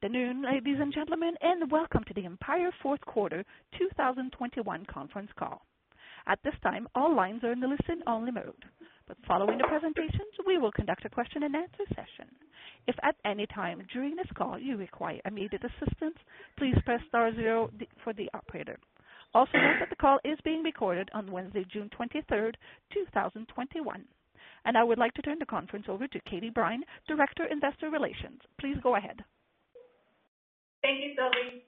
Good afternoon, ladies and gentlemen, welcome to the Empire fourth quarter 2021 conference call. At this time, all lines are in listen-only mode. Following the presentations, we will conduct a question and answer session. If at any time during this call you require immediate assistance, please press star zero for the operator. Note that the call is being recorded on Wednesday, June 23rd, 2021. I would like to turn the conference over to Katie Brine, Director, Investor Relations. Please go ahead. Thank you, Sylvie.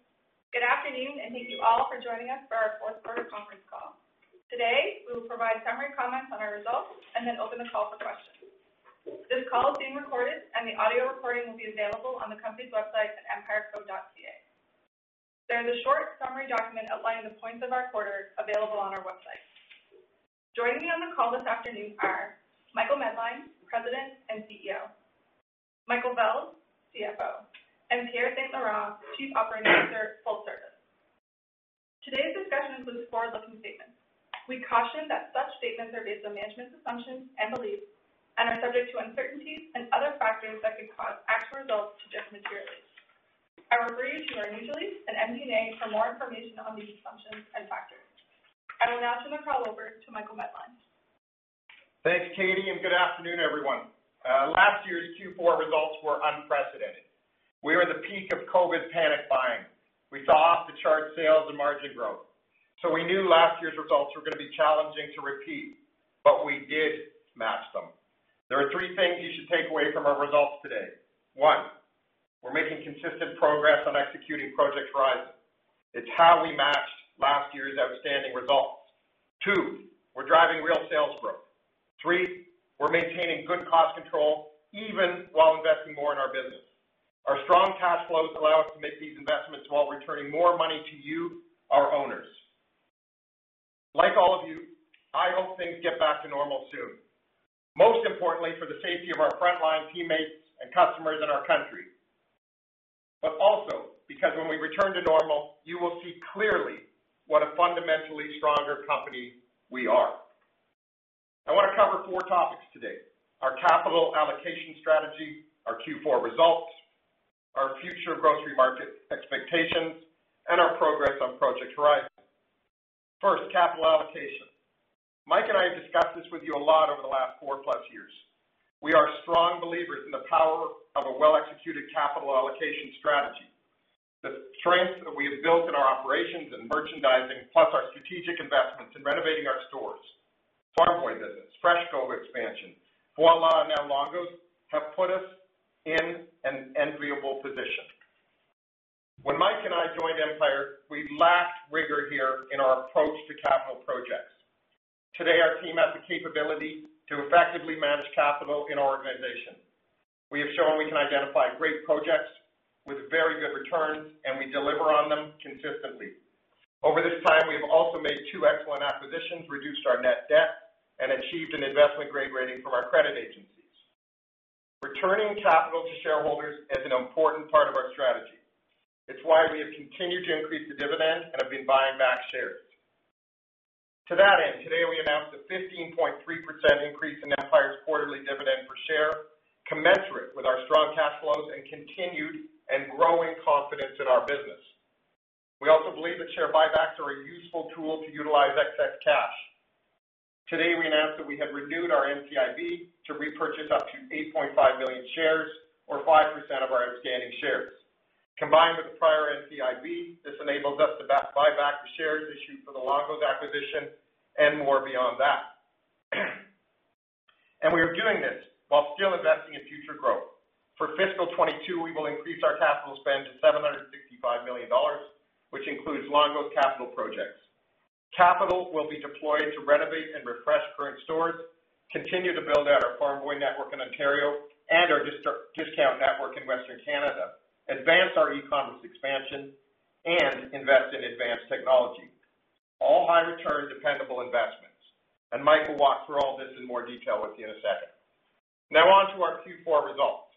Good afternoon, thank you all for joining us for our fourth quarter conference call. Today, we will provide summary comments on our results and then open the call for questions. This call is being recorded, and the audio recording will be available on the company's website at empireco.ca. There is a short summary document outlining the points of our quarter available on our website. Joining me on the call this afternoon are Michael Medline, President and CEO, Michael Vels, CFO, Pierre St-Laurent, Chief Operating Officer, full service. Today's discussion includes forward-looking statements. We caution that such statements are based on management's assumptions and beliefs, are subject to uncertainties and other factors that could cause actual results to differ materially. I refer you to our news release and MD&A for more information on these assumptions and factors. I will now turn the call over to Michael Medline. Thanks, Katie, and good afternoon, everyone. Last year's Q4 results were unprecedented. We were at the peak of COVID panic buying. We saw off-the-chart sales and margin growth. We knew last year's results were going to be challenging to repeat, but we did match them. There are three things you should take away from our results today. One, we're making consistent progress on executing Project Horizon. It's how we matched last year's outstanding results. Two, we're driving real sales growth. Three, we're maintaining good cost control even while investing more in our business. Our strong cash flows allow us to make these investments while returning more money to you, our owners. Like all of you, I hope things get back to normal soon, most importantly for the safety of our frontline teammates and customers in our country. Also because when we return to normal, you will see clearly what a fundamentally stronger company we are. I want to cover four topics today: our capital allocation strategy, our Q4 results, our future grocery market expectations, and our progress on Project Horizon. First, capital allocation. Mike and I have discussed this with you a lot over the last 4-plus years. We are strong believers in the power of a well-executed capital allocation strategy. The strength that we have built in our operations and merchandising, plus our strategic investments in renovating our stores, Farm Boy business, FreshCo expansion, Voilà, now Longo's, have put us in an enviable position. When Mike and I joined Empire Company, we lacked rigor here in our approach to capital projects. Today, our team has the capability to effectively manage capital in our organization. We have shown we can identify great projects with very good returns, and we deliver on them consistently. Over this time, we have also made two excellent acquisitions, reduced our net debt, and achieved an investment-grade rating from our credit agencies. Returning capital to shareholders is an important part of our strategy. It's why we have continued to increase the dividend and have been buying back shares. To that end, today we announced a 15.3% increase in Empire's quarterly dividend per share, commensurate with our strong cash flows and continued and growing confidence in our business. We also believe that share buybacks are a useful tool to utilize excess cash. Today, we announced that we have renewed our NCIB to repurchase up to 8.5 million shares or 5% of our outstanding shares. Combined with the prior NCIB, this enables us to buy back the shares issued for the Longo's acquisition and more beyond that. We are doing this while still investing in future growth. For fiscal 2022, we will increase our capital spend to 765 million dollars, which includes Longo's capital projects. Capital will be deployed to renovate and refresh current stores, continue to build out our Farm Boy network in Ontario and our discount network in Western Canada, advance our e-commerce expansion, and invest in advanced technology, all high-return, dependable investments. Mike will walk through all this in more detail with you in a second. Now on to our Q4 results.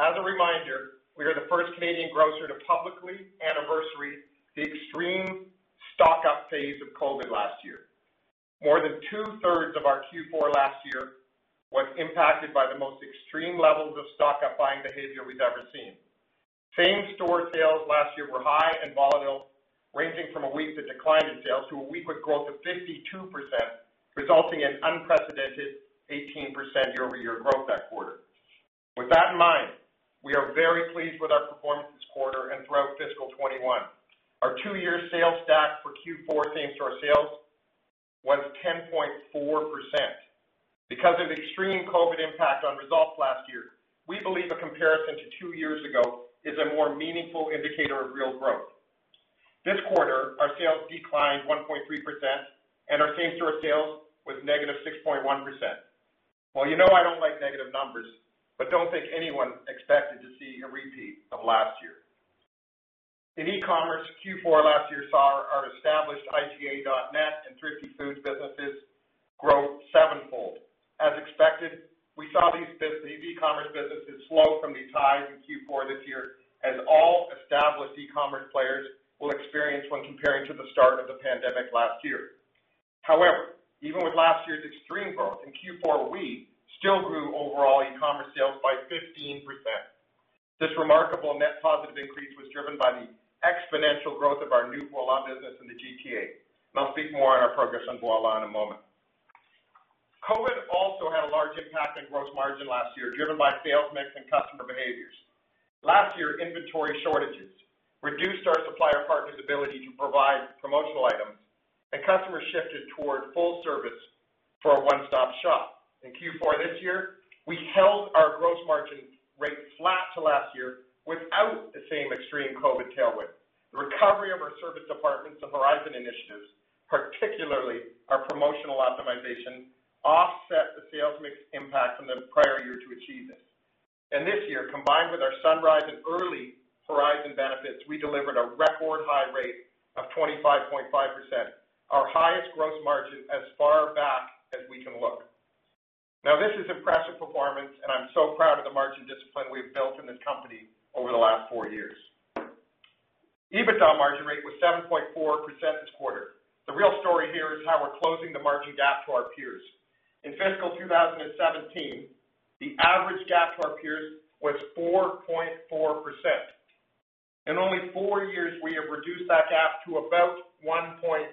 As a reminder, we are the first Canadian grocer to publicly anniversary the extreme stock-up phase of COVID last year. More than 2/3 of our Q4 last year was impacted by the most extreme levels of stock-up buying behavior we've ever seen. Same-store sales last year were high and volatile, ranging from a week of decline in sales to a week with growth of 52%, resulting in unprecedented 18% year-over-year growth that quarter. With that in mind, we are very pleased with our performance this quarter and throughout fiscal 2021. Our 2-year sales stack for Q4 same-store sales was 10.4%. Because of extreme COVID impact on results last year, we believe a comparison to 2 years ago is a more meaningful indicator of real growth. This quarter, our sales declined 1.3% and our same-store sales was negative 6.1%. Well, you know I don't like negative numbers, but don't think anyone expected to see a repeat of last year. In e-commerce, Q4 last year saw our established IGA.net and Thrifty Foods businesses grow sevenfold. As expected, we saw these e-commerce businesses slow from these highs in Q4 this year, as all established e-commerce players will experience when comparing to the start of the pandemic last year. Even with last year's extreme growth, in Q4, we still grew overall e-commerce sales by 15%. This remarkable net positive increase was driven by the exponential growth of our new Voilà business in the GTA, and I'll speak more on our progress on Voilà in a moment. COVID also had a large impact on gross margin last year, driven by sales mix and customer behaviors. Last year, inventory shortages reduced our supplier partners' ability to provide promotional items, and customers shifted toward full service for a one-stop shop. In Q4 this year, we held our gross margin rate flat to last year without the same extreme COVID tailwind. The recovery of our service departments and Horizon initiatives, particularly our promotional optimization, offset the sales mix impact from the prior year to achieve this. This year, combined with our Sunrise and early Horizon benefits, we delivered a record high rate of 25.5%, our highest gross margin as far back as we can look. Now, this is impressive performance, and I'm so proud of the margin discipline we've built in this company over the last four years. EBITDA margin rate was 7.4% this quarter. The real story here is how we're closing the margin gap to our peers. In fiscal 2017, the average gap to our peers was 4.4%. In only four years, we have reduced that gap to about 1.9%.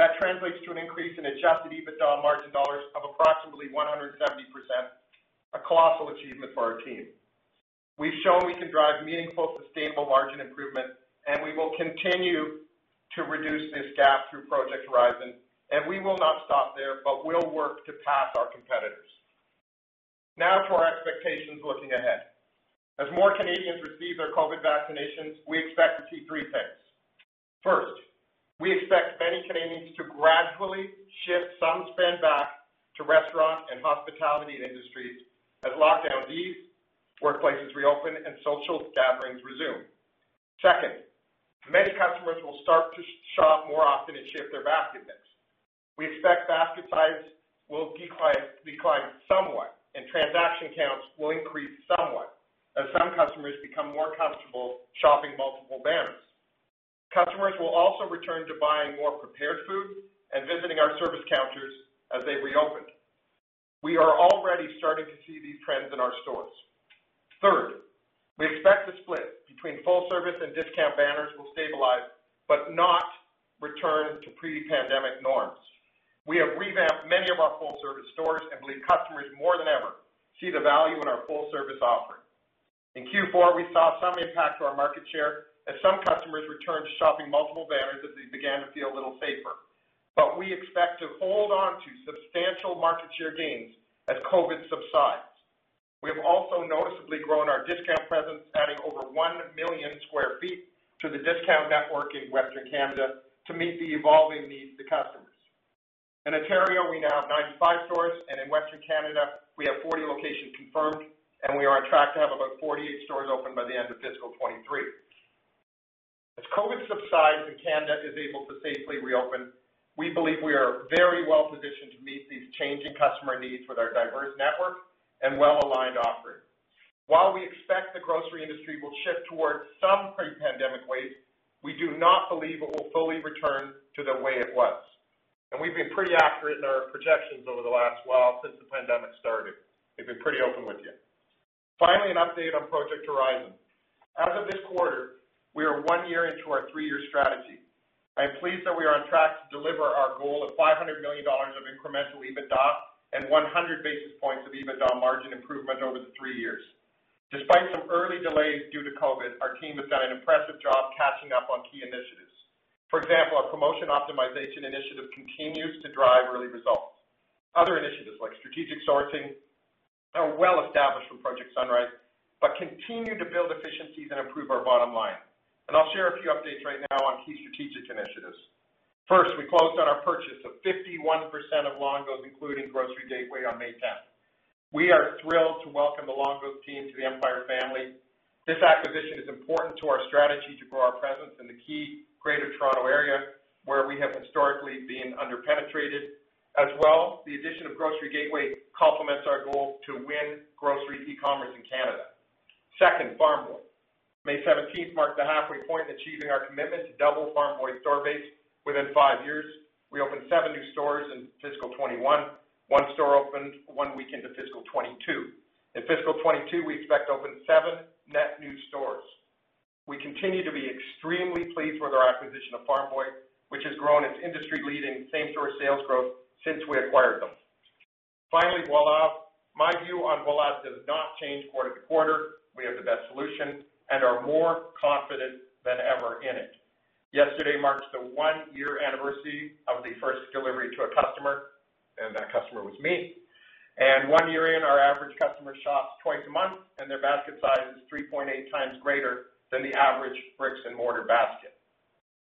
That translates to an increase in Adjusted EBITDA margin dollars of approximately 170%, a colossal achievement for our team. We've shown we can drive meaningful, sustainable margin improvement, and we will continue to reduce this gap through Project Horizon, and we will not stop there, but we'll work to pass our competitors. Now to our expectations looking ahead. As more Canadians receive their COVID vaccinations, we expect to see three things. First, we expect many Canadians to gradually shift some spend back to restaurant and hospitality industries as lockdowns ease, workplaces reopen, and social gatherings resume. Second, many customers will start to shop more often and shift their basket mix. We expect basket size will decline somewhat, and transaction counts will increase somewhat as some customers become more comfortable shopping multiple banners. Customers will also return to buying more prepared food and visiting our service counters as they reopen. We are already starting to see these trends in our stores. Third, we expect the split between full-service and discount banners will stabilize, but not return to pre-pandemic norms. We have revamped many of our full-service stores and believe customers, more than ever, see the value in our full-service offering. In Q4, we saw some impact to our market share as some customers returned to shopping multiple banners as they began to feel a little safer, but we expect to hold onto substantial market share gains as COVID subsides. We have also noticeably grown our discount presence, adding over 1 million square feet to the discount network in Western Canada to meet the evolving needs of customers. In Ontario, we now have 95 stores, and in Western Canada, we have 40 locations confirmed, and we are on track to have about 48 stores open by the end of fiscal 2023. As COVID subsides and Canada is able to safely reopen, we believe we are very well positioned to meet these changing customer needs with our diverse network and well-aligned offering. While we expect the grocery industry will shift towards some pre-pandemic ways, we do not believe it will fully return to the way it was. We've been pretty accurate in our projections over the last while since the pandemic started. We've been pretty open with you. Finally, an update on Project Horizon. As of this quarter, we are one year into our three-year strategy. I'm pleased that we are on track to deliver our goal of 500 million dollars of incremental EBITDA and 100 basis points of EBITDA margin improvement over the three years. Despite some early delays due to COVID, our team has done an impressive job catching up on key initiatives. For example, our promotion optimization initiative continues to drive early results. Other initiatives, like strategic sourcing, are well-established from Project Sunrise, but continue to build efficiencies and improve our bottom line. I'll share a few updates right now on key strategic initiatives. First, we closed on our purchase of 51% of Longo's, including Grocery Gateway, on May 10th. We are thrilled to welcome the Longo's team to the Empire family. This acquisition is important to our strategy to grow our presence in the key Greater Toronto Area, where we have historically been under-penetrated. As well, the addition of Grocery Gateway complements our goal to win grocery e-commerce in Canada. Second, Farm Boy. May 17th marked the halfway point to achieving our commitment to double Farm Boy store base within 5 years. We opened seven new stores in fiscal 2021, one store opened one week into fiscal 2022. In fiscal 2022, we expect to open seven net new stores. We continue to be extremely pleased with our acquisition of Farm Boy, which has grown its industry-leading same-store sales growth since we acquired them. Finally, Voilà. My view on Voilà does not change quarter to quarter. We have the best solution and are more confident than ever in it. Yesterday marked the 1-year anniversary of the first delivery to a customer, and that customer was me. One year in, our average customer shops twice a month, and their basket size is 3.8x times greater than the average bricks-and-mortar basket.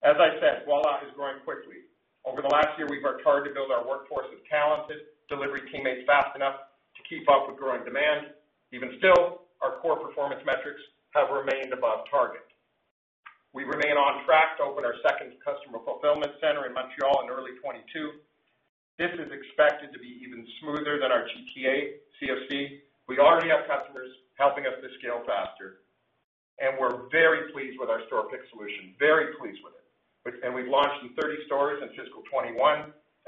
As I said, Voilà is growing quickly. Over the last year, we've targeted to build our workforce of talented delivery teammates fast enough to keep up with growing demand. Even still, our core performance metrics have remained above target. We remain on track to open our second customer fulfillment center in Montreal in early 2022. This is expected to be even smoother than our GTA CFC. We already have customers helping us to scale faster, and we're very pleased with our Store Pick solution. Very pleased with it. We've launched in 30 stores in fiscal 2021,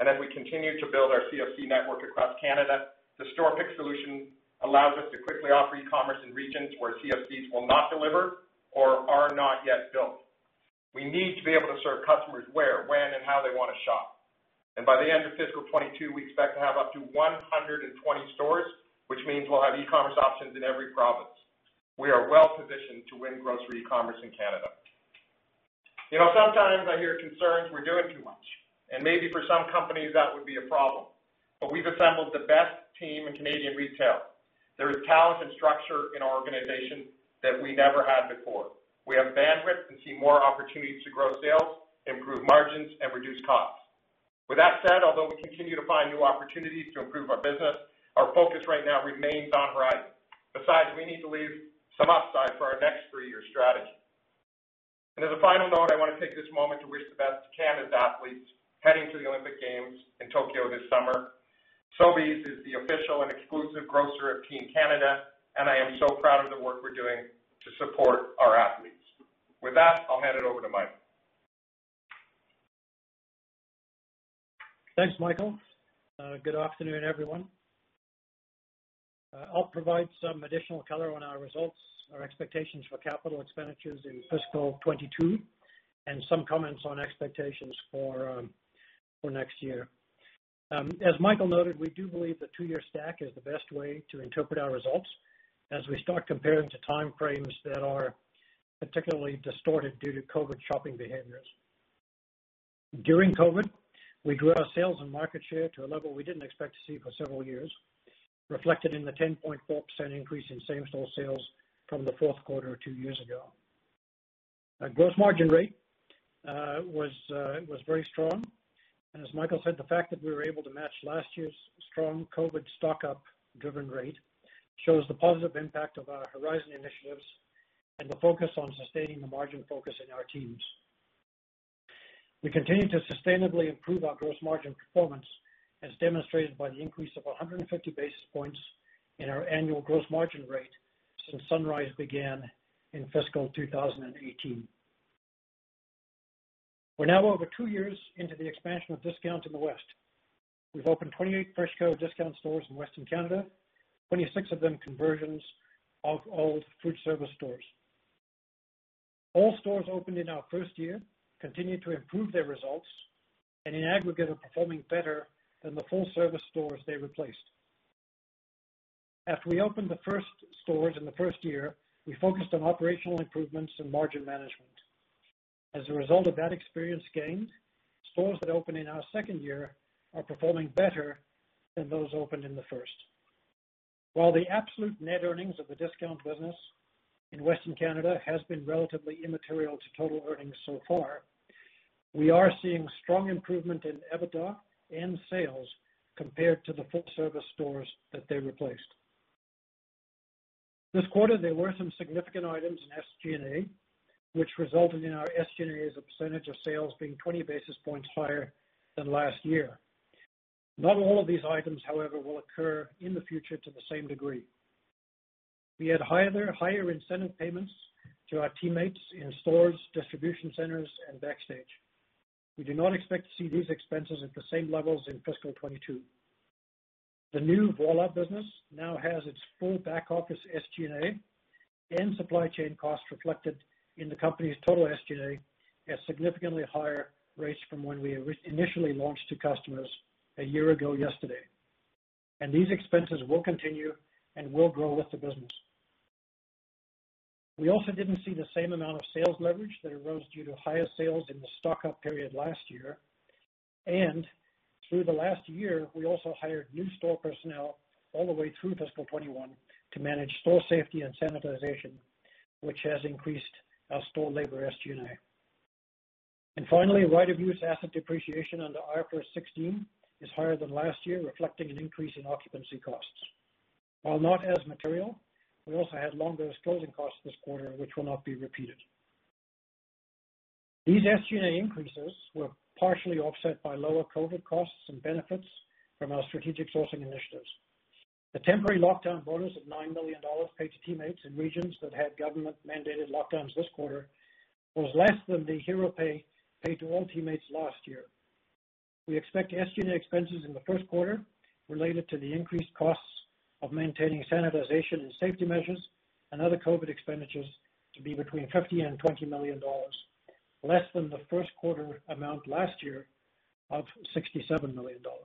and as we continue to build our CFC network across Canada, the Store Pick solution allows us to quickly offer e-commerce in regions where CFCs will not deliver or are not yet built. We need to be able to serve customers where, when, and how they want to shop. By the end of fiscal 2022, we expect to have up to 120 stores, which means we'll have e-commerce options in every province. We are well-positioned to win grocery commerce in Canada. Sometimes I hear concerns we're doing too much, and maybe for some companies that would be a problem, but we've assembled the best team in Canadian retail. There is talent and structure in our organization that we never had before. We have bandwidth and see more opportunities to grow sales, improve margins, and reduce costs. With that said, although we continue to find new opportunities to improve our business, our focus right now remains on Project Horizon. Besides, we need to leave some upside for our next three-year strategy. As a final note, I want to take this moment to wish the best to Canada's athletes heading to the Olympic Games in Tokyo this summer. Sobeys is the official and exclusive grocer of Team Canada, and I am so proud of the work we're doing to support our athletes. With that, I'll hand it over to Mike. Thanks, Michael. Good afternoon, everyone. I'll provide some additional color on our results, our expectations for capital expenditures in fiscal 2022, and some comments on expectations for next year. As Michael noted, we do believe the two-year stack is the best way to interpret our results as we start comparing to time frames that are particularly distorted due to COVID shopping behaviors. During COVID, we grew our sales and market share to a level we didn't expect to see for several years, reflected in the 10.4% increase in same-store sales from the fourth quarter two years ago. Our gross margin rate was very strong, and as Michael said, the fact that we were able to match last year's strong COVID stock-up driven rate shows the positive impact of our Horizon initiatives and the focus on sustaining the margin focus in our teams. We continue to sustainably improve our gross margin performance, as demonstrated by the increase of 150 basis points in our annual gross margin rate since Project Sunrise began in fiscal 2018. We're now over 2 years into the expansion of discounts in the West. We've opened 28 FreshCo discount stores in Western Canada, 26 of them conversions of old full-service stores. All stores opened in our first year continued to improve their results, and in aggregate, are performing better than the full-service stores they replaced. After we opened the first stores in the first year, we focused on operational improvements and margin management. As a result of that experience gained, stores that opened in our second year are performing better than those opened in the first. While the absolute net earnings of the discount business in Western Canada has been relatively immaterial to total earnings so far, we are seeing strong improvement in EBITDA and sales compared to the full-service stores that they replaced. This quarter, there were some significant items in SG&A, which resulted in our SG&A as a percentage of sales being 20 basis points higher than last year. Not all of these items, however, will occur in the future to the same degree. We had higher incentive payments to our teammates in stores, distribution centers, and backstage. We do not expect to see these expenses at the same levels in fiscal 2022. The new Voilà business now has its full back-office SG&A and supply chain costs reflected in the company's total SG&A at significantly higher rates from when we initially launched to customers a year ago yesterday. These expenses will continue and will grow with the business. We also didn't see the same amount of sales leverage that arose due to higher sales in the stock-up period last year. Through the last year, we also hired new store personnel all the way through fiscal 2021 to manage store safety and sanitization, which has increased our store labor SG&A. Finally, right-of-use asset depreciation under IFRS 16 is higher than last year, reflecting an increase in occupancy costs. While not as material, we also had Longo's closing costs this quarter, which will not be repeated. These SG&A increases were partially offset by lower COVID costs and benefits from our strategic sourcing initiatives. The temporary lockdown bonus of 9 million dollars paid to teammates in regions that had government-mandated lockdowns this quarter was less than the Hero Pay paid to all teammates last year. We expect SG&A expenses in the first quarter related to the increased costs of maintaining sanitization and safety measures and other COVID expenditures to be between 15 million and 20 million dollars, less than the first quarter amount last year of 67 million dollars.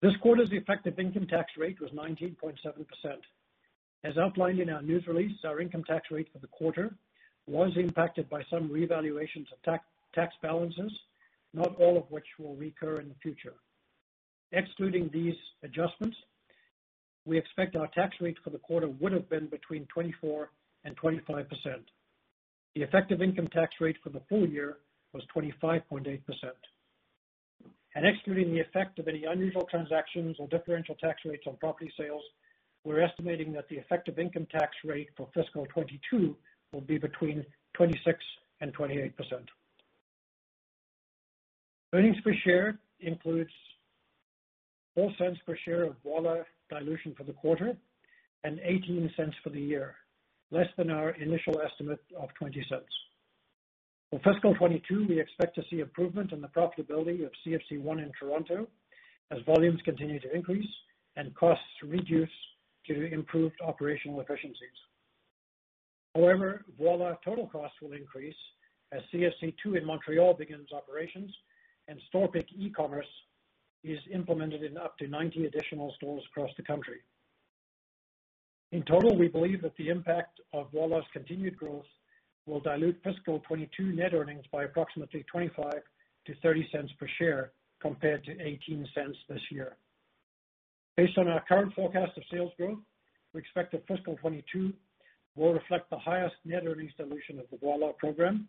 This quarter's effective income tax rate was 19.7%. As outlined in our news release, our income tax rate for the quarter was impacted by some revaluations of tax balances, not all of which will recur in the future. Excluding these adjustments, we expect our tax rate for the quarter would have been between 24% and 25%. The effective income tax rate for the full year was 25.8%. Excluding the effect of any unusual transactions or differential tax rates on property sales, we're estimating that the effective income tax rate for fiscal 2022 will be between 26% and 28%. Earnings per share includes 0.04 per share of Voilà dilution for the quarter and 0.18 for the year, less than our initial estimate of 0.20. For fiscal 2022, we expect to see improvement in the profitability of CFC1 in Toronto as volumes continue to increase and costs reduce due to improved operational efficiencies. However, Voilà total costs will increase as CFC2 in Montreal begins operations and store pick e-commerce is implemented in up to 90 additional stores across the country. In total, we believe that the impact of Voilà's continued growth will dilute fiscal 2022 net earnings by approximately 0.25-0.30 per share compared to 0.18 this year. Based on our current forecast of sales growth, we expect that fiscal 2022 will reflect the highest net earnings dilution of the Voilà program,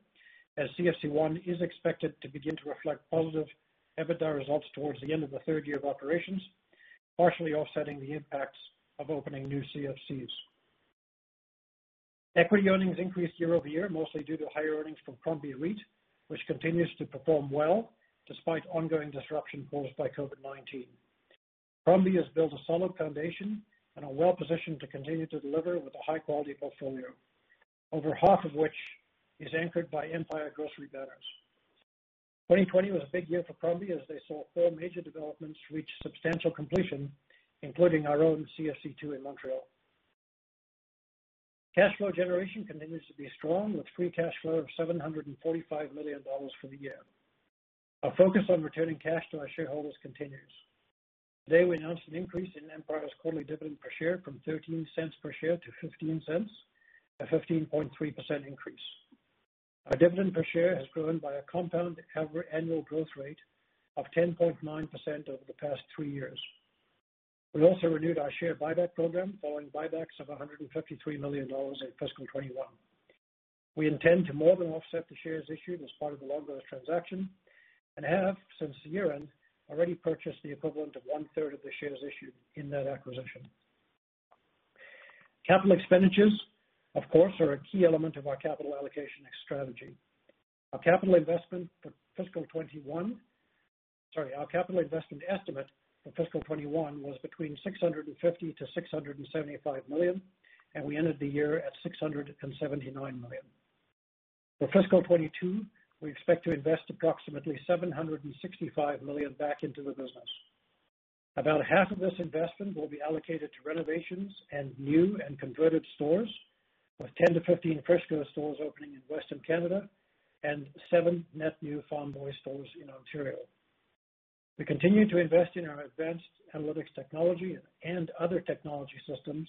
as CFC1 is expected to begin to reflect positive EBITDA results towards the end of the third year of operations, partially offsetting the impacts of opening new CFCs. Equity earnings increased year-over-year, mostly due to higher earnings from Crombie REIT, which continues to perform well despite ongoing disruption posed by COVID-19. Crombie has built a solid foundation and are well-positioned to continue to deliver with a high-quality portfolio, over half of which is anchored by Empire grocery banners. 2020 was a big year for Crombie, as they saw four major developments reach substantial completion, including our own CFC2 in Montreal. Cash flow generation continues to be strong with free cash flow of 745 million dollars for the year. Our focus on returning cash to our shareholders continues. Today, we announced an increase in Empire's quarterly dividend per share from 0.13 per share to 0.15, a 15.3% increase. Our dividend per share has grown by a compound annual growth rate of 10.9% over the past three years. We also renewed our share buyback program, following buybacks of 133 million dollars in fiscal 2021. We intend to more than offset the shares issued as part of the Longo's transaction and have, since year-end, already purchased the equivalent of one-third of the shares issued in that acquisition. Capital expenditures, of course, are a key element of our capital allocation strategy. Our capital investment for fiscal 2021 was between 650 million-675 million, and we ended the year at 679 million. For fiscal 2022, we expect to invest approximately 765 million back into the business. About half of this investment will be allocated to renovations and new and converted stores, with 10-15 FreshCo stores opening in Western Canada and seven net new Farm Boy stores in Ontario. We continue to invest in our advanced analytics technology and other technology systems,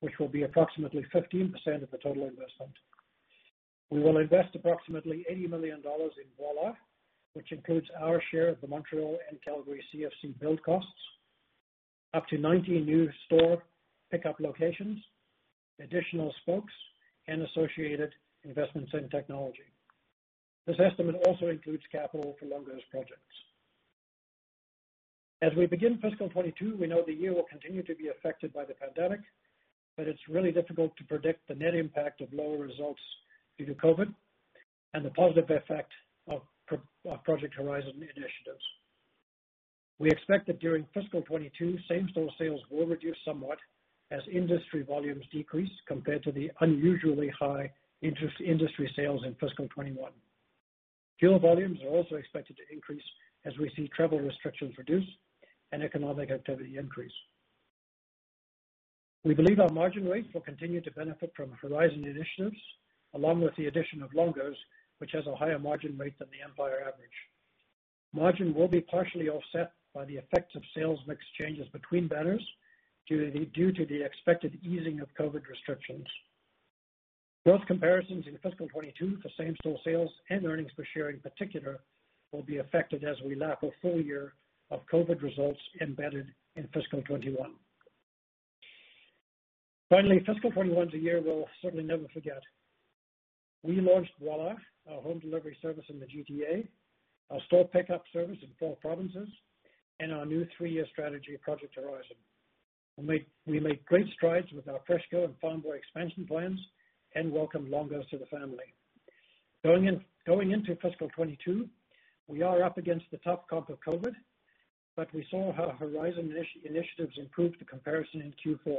which will be approximately 15% of the total investment. We will invest approximately 80 million dollars in Voilà, which includes our share of the Montreal and Calgary CFC build costs, up to 90 new store pickup locations, additional spokes, and associated investments in technology. This estimate also includes capital for Longo's projects. As we begin fiscal 2022, we know the year will continue to be affected by the pandemic, but it's really difficult to predict the net impact of lower results due to COVID and the positive effect of Project Horizon initiatives. We expect that during fiscal 2022, same-store sales will reduce somewhat as industry volumes decrease compared to the unusually high industry sales in fiscal 2021. Fuel volumes are also expected to increase as we see travel restrictions reduce and economic activity increase. We believe our margin rate will continue to benefit from Project Horizon initiatives, along with the addition of Longo's, which has a higher margin rate than the Empire average. Margin will be partially offset by the effects of sales mix changes between banners due to the expected easing of COVID restrictions. Growth comparisons in fiscal 2022 for same-store sales and earnings per share, in particular, will be affected as we lap a full year of COVID results embedded in fiscal 2021. Finally, fiscal 2021 is a year we'll certainly never forget. We launched Voilà, our home delivery service in the GTA, our store pickup service in four provinces, and our new three-year strategy, Project Horizon. We made great strides with our FreshCo and Farm Boy expansion plans and welcomed Longo's to the family. Going into fiscal 2022, we are up against a tough comp of COVID, but we saw how Horizon initiatives improved the comparison in Q4.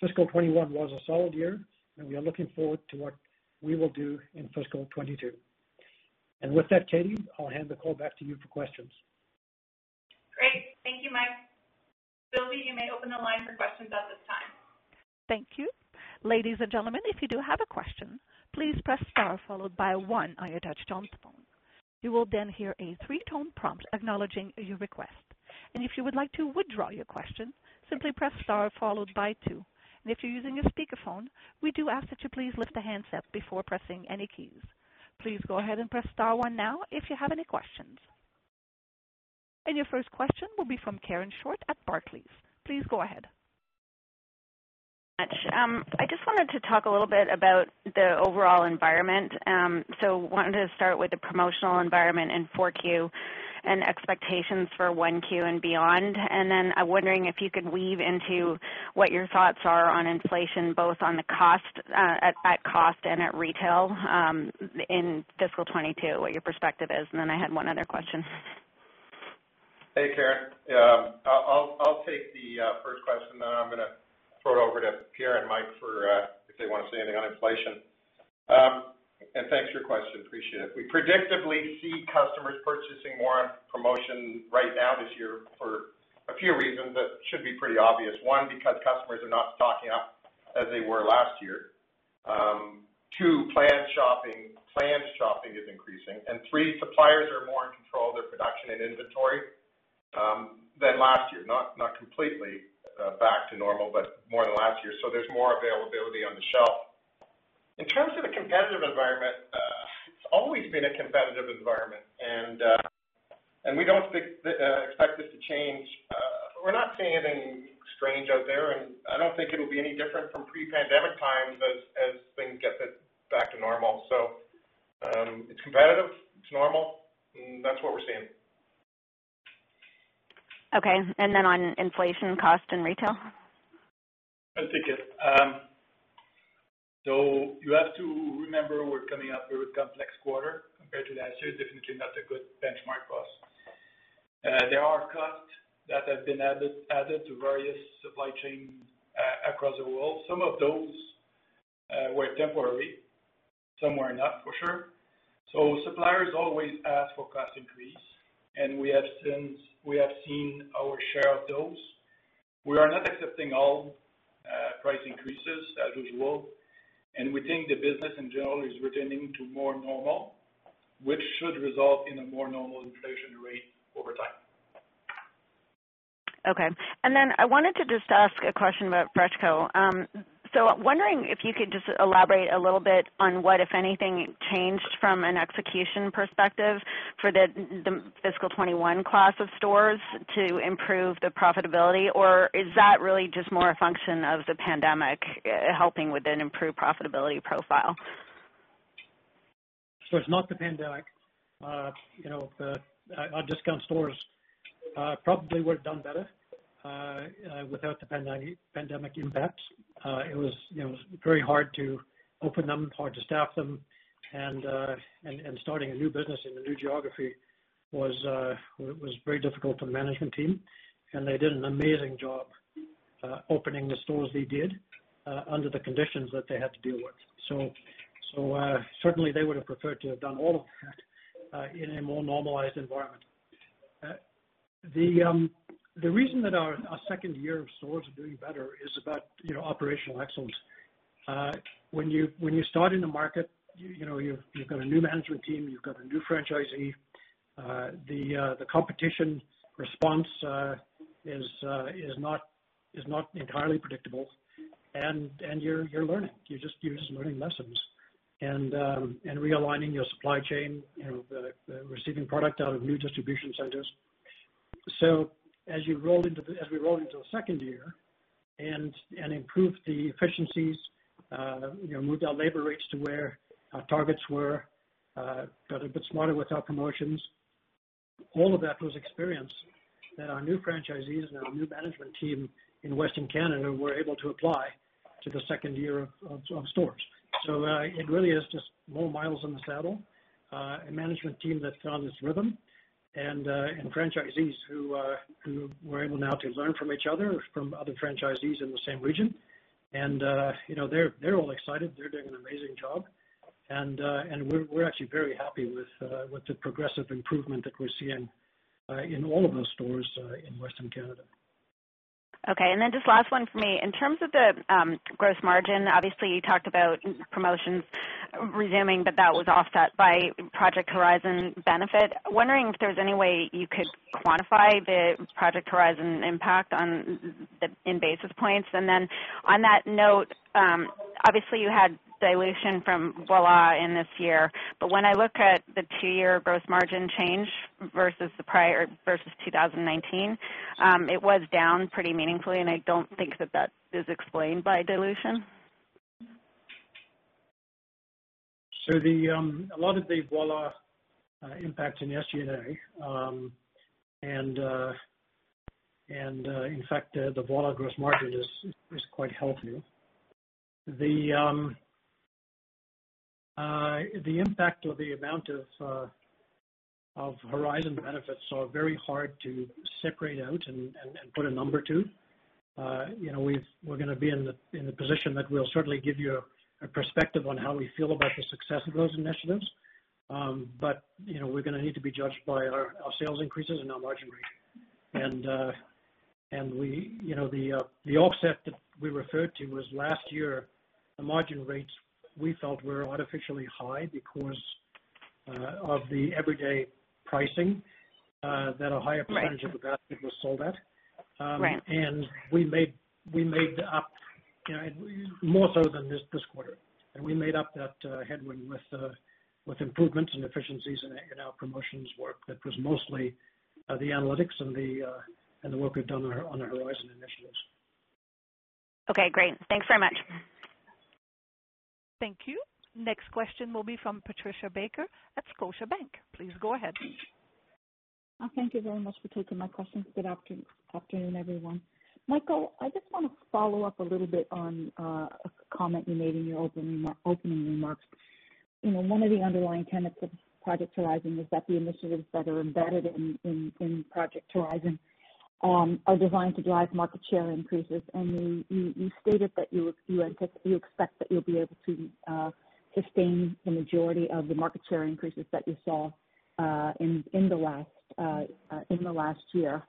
Fiscal 2021 was a solid year, and we are looking forward to what we will do in fiscal 2022. With that, Katie, I'll hand the call back to you for questions. Great. Thank you, Mike. Sylvie, you may open the line for questions at this time. Thank you. Ladies and gentlemen, if you do have a question, please press star followed by one on your touchtone phone. You will then hear a 3-tone prompt acknowledging your request. If you would like to withdraw your question, simply press star followed by two. If you're using a speakerphone, we do ask that you please lift the handset before pressing any keys. Please go ahead and press star one now if you have any questions. Your first question will be from Karen Short at Barclays. Please go ahead. Thank you very much. I just wanted to talk a little bit about the overall environment. Wanted to start with the promotional environment in 4Q and expectations for 1Q and beyond. I'm wondering if you could weave into what your thoughts are on inflation, both on the cost, at cost and at retail, in fiscal 2022, what your perspective is? And then I had one other question. Hey, Karen. I'll take the first question, then I'm gonna throw it over to Pierre and Mike if they want to say anything on inflation. Thanks for your question, appreciate it. We predictably see customers purchasing more on promotion right now this year for a few reasons that should be pretty obvious. One, because customers are not stocking up as they were last year; two, planned shopping is increasing, and three, suppliers are more in control of their production and inventory, than last year. Not completely back to normal, but more than last year. There's more availability on the shelf. In terms of the competitive environment, it's always been a competitive environment and we don't expect this to change. We're not seeing anything strange out there, I don't think it'll be any different from pre-pandemic times as things get back to normal. It's competitive, it's normal, and that's what we're seeing. Okay, and then on inflation cost and retail? I'll take it. You have to remember we're coming off a very complex quarter compared to last year, definitely not a good benchmark for us. There are costs that have been added to various supply chains across the world. Some of those were temporary, some were not, for sure. Suppliers always ask for cost increase, and we have seen our share of those. We are not accepting all price increases as usual, and we think the business in general is returning to more normal, which should result in a more normal inflation rate over time. Okay. I wanted to just ask a question about FreshCo. I'm wondering if you could just elaborate a little bit on what, if anything, changed from an execution perspective for the fiscal 2021 class of stores to improve the profitability, or is that really just more a function of the pandemic helping with an improved profitability profile? It's not the pandemic. Our discount stores probably would've done better without the pandemic impact. It was very hard to open them, hard to staff them, and starting a new business in a new geography was very difficult for the management team, and they did an amazing job opening the stores they did under the conditions that they had to deal with. Certainly, they would've preferred to have done all of that in a more normalized environment. The reason that our second year of stores are doing better is about operational excellence. When you start in a market, you've got a new management team, you've got a new franchisee. The competition response is not entirely predictable. You're learning. You're just learning lessons and realigning your supply chain, receiving product out of new distribution centers. As we roll into the second year and improve the efficiencies, moved our labor rates to where our targets were, got a bit smarter with our promotions. All of that was experience that our new franchisees and our new management team in Western Canada were able to apply to the second year of stores. It really is just more miles in the saddle, a management team that found its rhythm, and franchisees who were able now to learn from each other, from other franchisees in the same region. They're all excited. They're doing an amazing job. We're actually very happy with the progressive improvement that we're seeing in all of those stores in Western Canada. Okay, just last one from me. In terms of the gross margin, obviously you talked about promotions resuming, but that was offset by Project Horizon benefit. Wondering if there's any way you could quantify the Project Horizon impact in basis points. On that note, obviously you had dilution from Voilà in this year, but when I look at the two-year gross margin change versus 2019, it was down pretty meaningfully, and I don't think that that is explained by dilution. A lot of the Voilà impact in SG&A. In fact, the Voilà gross margin is quite healthy. The impact of the amount of Project Horizon benefits are very hard to separate out and put a number to. We are going to be in the position that we will certainly give you a perspective on how we feel about the success of those initiatives. We are going to need to be judged by our sales increases and our margin rates. The offset that we referred to was last year, the margin rates we felt were artificially high because of the everyday pricing that a higher percentage of the basket was sold at. Right. We made up more so than just this quarter. We made up that headwind with improvements in efficiencies in our promotions work that was mostly the analytics and the work we've done on our Horizon initiatives. Okay, great. Thanks so much. Thank you. Next question will be from Patricia Baker at Scotiabank. Please go ahead. Thank you very much for taking my questions. Good afternoon, everyone. Michael, I just want to follow up a little bit on a comment you made in your opening remarks. One of the underlying tenets of Project Horizon is that the initiatives that are embedded in Project Horizon are designed to drive market share increases. You stated that you expect that you'll be able to sustain the majority of the market share increases that you saw in the last year.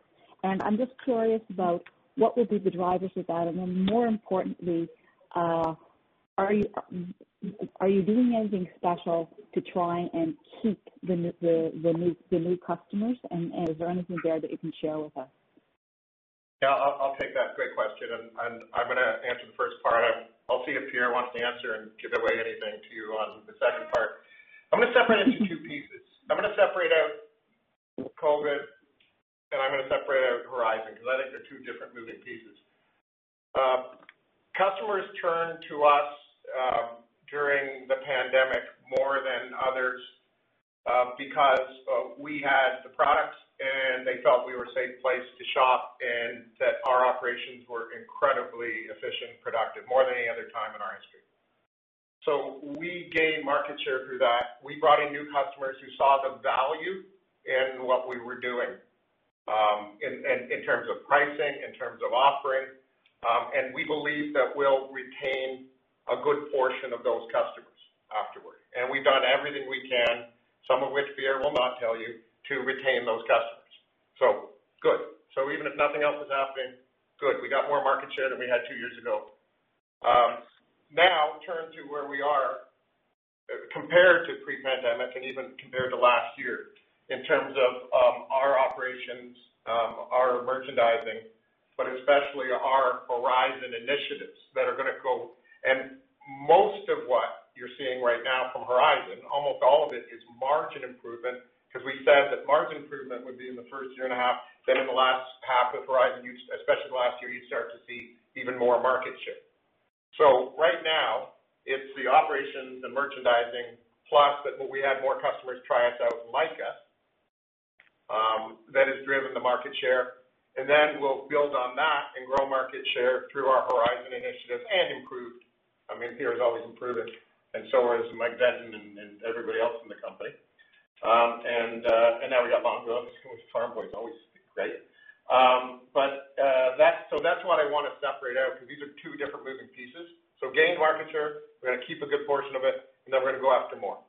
I'm just curious about what would be the drivers of that. More importantly, are you doing anything special to try and keep the new customers? Is there anything there that you can share with us? Yeah, I'll take that. Great question, and I'm going to answer the first part. I'll see if Pierre wants to answer and give away anything to you on the second part. I'm going to separate this in two pieces. I'm going to separate out COVID, and I'm going to separate out Horizon. That is the two different moving pieces. Customers turned to us during the pandemic more than others because we had the products, and they felt we were a safe place to shop and that our operations were incredibly efficient and productive, more than any other time in our history. We gained market share through that. We brought in new customers who saw the value in what we were doing in terms of pricing, in terms of offering. We believe that we'll retain a good portion of those customers afterward. We've done everything we can, some of which Pierre will not tell you, to retain those customers. Good. Even if nothing else has happened, good. We got more market share than we had two years ago. Now, turn to where we are compared to pre-pandemic and even compared to last year in terms of our operations, our merchandising, but especially our Horizon initiatives that are going to go. Most of what you're seeing right now from Horizon, almost all of it, is margin improvement, because we said that margin improvement would be in the first year and a half, then in the last half of Horizon, especially the last year, you'd start to see even more market share. Right now, it's the operations, the merchandising, plus that we had more customers try us out and like us. That has driven the market share, and then we'll build on that and grow market share through our Horizon initiatives and improve. I mean, Pierre is always improving, and so is Michael Vels and everybody else in the company. Now, we got Longo's and Farm Boys, which is always great. That's why I want to separate out because these are two different moving pieces. Gain market share, we're going to keep a good portion of it, and then we're going to go after more.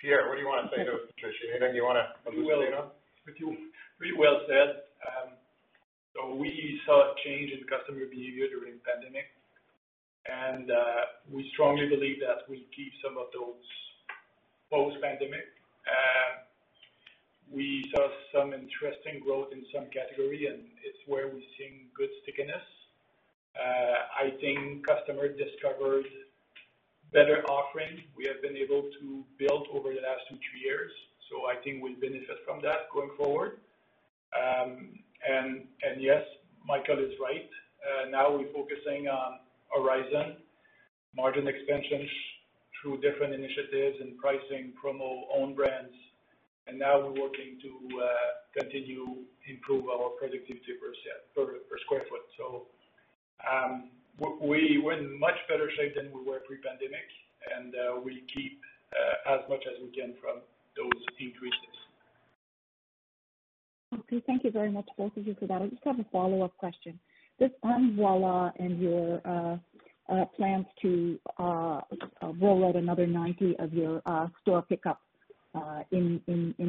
Pierre, what do you want to say to Patricia? Anything you want to add to this? Pretty well said. We saw a change in customer behavior during the pandemic, and we strongly believe that we keep some of those post-pandemic. We saw some interesting growth in some categories, and it's where we're seeing good stickiness. I think customers discovered better offerings we have been able to build over the last 2, 3 years. I think we benefit from that going forward. Yes, Michael is right. Now, we're focusing on Project Horizon, margin expansion through different initiatives and pricing, promo, own brands. Now, we're working to continue to improve our productivity per square foot. We're in much better shape than we were pre-pandemic, and we'll keep as much as we can from those increases. Okay. Thank you very much, both of you, for that. I just have a follow-up question. Just on Voilà and your plans to roll out another 90 of your store pickups in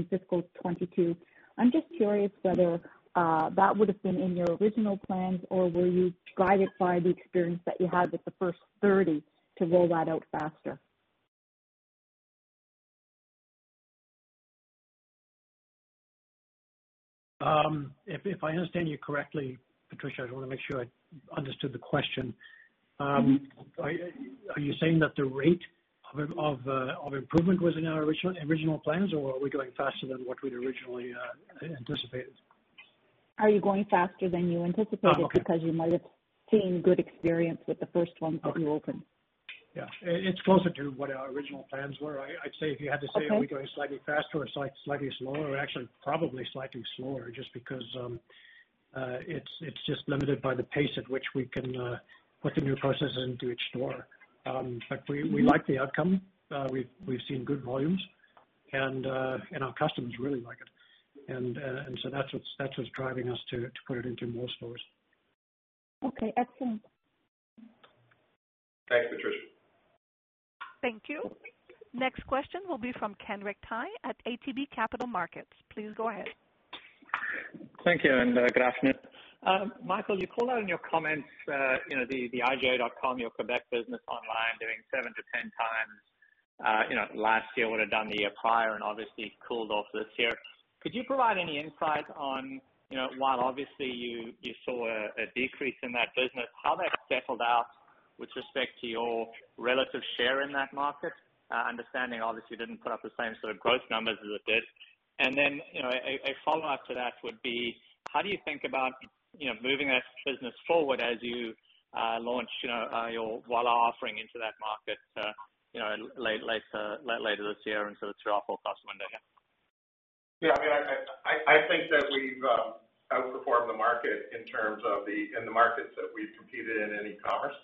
fiscal 2022, I'm just curious whether that would have been in your original plans or were you guided by the experience that you had with the first 30 to roll that out faster? If I understand you correctly, Patricia, I want to make sure I understood the question. Yes. Are you saying that the rate of improvement was in our original plans, or are we going faster than what we'd originally anticipated? Are you going faster than you anticipated because you might have seen good experience with the first ones that you opened? Yeah. It's closer to what our original plans were. Okay I'd say if you had to say are we going slightly faster or slightly slower? Actually, probably slightly slower, just because it's just limited by the pace at which we can put the new process into each store, but we like the outcome. We've seen good volumes, and our customers really like it. That's what's driving us to put it into more stores. Okay, excellent. Thanks, Patricia. Thank you. Next question will be from Kenric Tyghe at ATB Capital Markets. Please go ahead. Thank you, and good afternoon. Michael, you call out in your comments the IGA.net, your Quebec business online, doing seven to 10 times last year would have done the year prior and obviously cooled off this year. Could you provide any insight on, while obviously you saw a decrease in that business, how that settled out with respect to your relative share in that market? Understanding obviously you didn't put up the same sort of growth numbers as it did. A follow-up to that would be, how do you think about moving that business forward as you launch your Voilà offering into that market later this year and sort of [throughout] postpandemic? I think that we've outperformed the market in terms of in the markets that we've competed in, in e-commerce.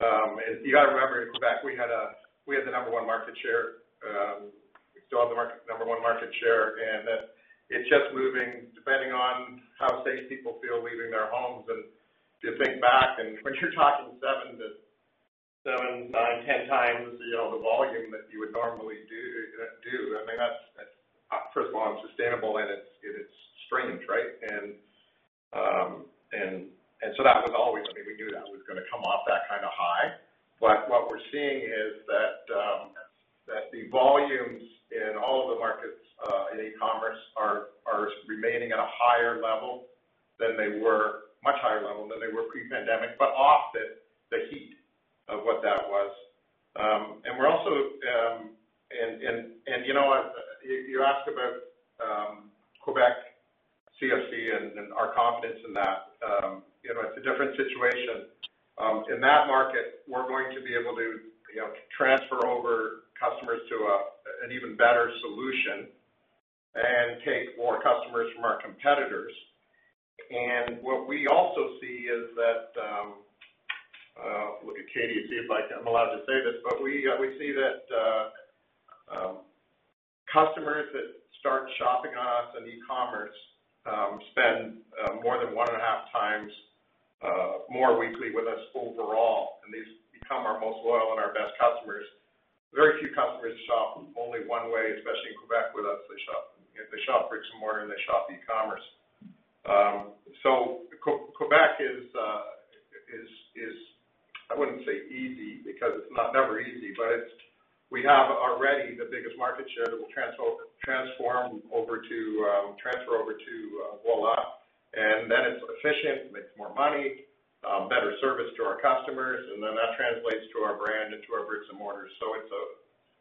You got to remember, in Quebec, we had the number one market share. We still have the number one market share, and it's just moving depending on how safe people feel leaving their homes. If you think back and when you're talking seven to nine, 10 times the volume that you would normally do, that's, first of all, unsustainable, and it's strange, right? That was always, we knew that was going to come off that kind of high. What we're seeing is that the volumes in all of the markets in e-commerce are remaining at a higher level than they were, much higher level than they were pre-pandemic, but off the heat of what that was. You asked about Quebec, CFC and our confidence in that. It's a different situation. In that market, we're going to be able to transfer over customers to an even better solution and take more customers from our competitors. What we also see is that, look at Katie and see if I'm allowed to say this, we see that customers that start shopping on us in e-commerce spend more than 1.5 times more weekly with us overall, and these become our most loyal and our best customers. Very few customers shop only one way, especially in Quebec with us, they shop. If they shop bricks and mortar, and they shop e-commerce. Quebec is, I wouldn't say easy because it's never easy, but we have already the biggest market share that will transfer over to Voilà, and then it's efficient, makes more money, better service to our customers, and then that translates to our brand and to our bricks and mortars.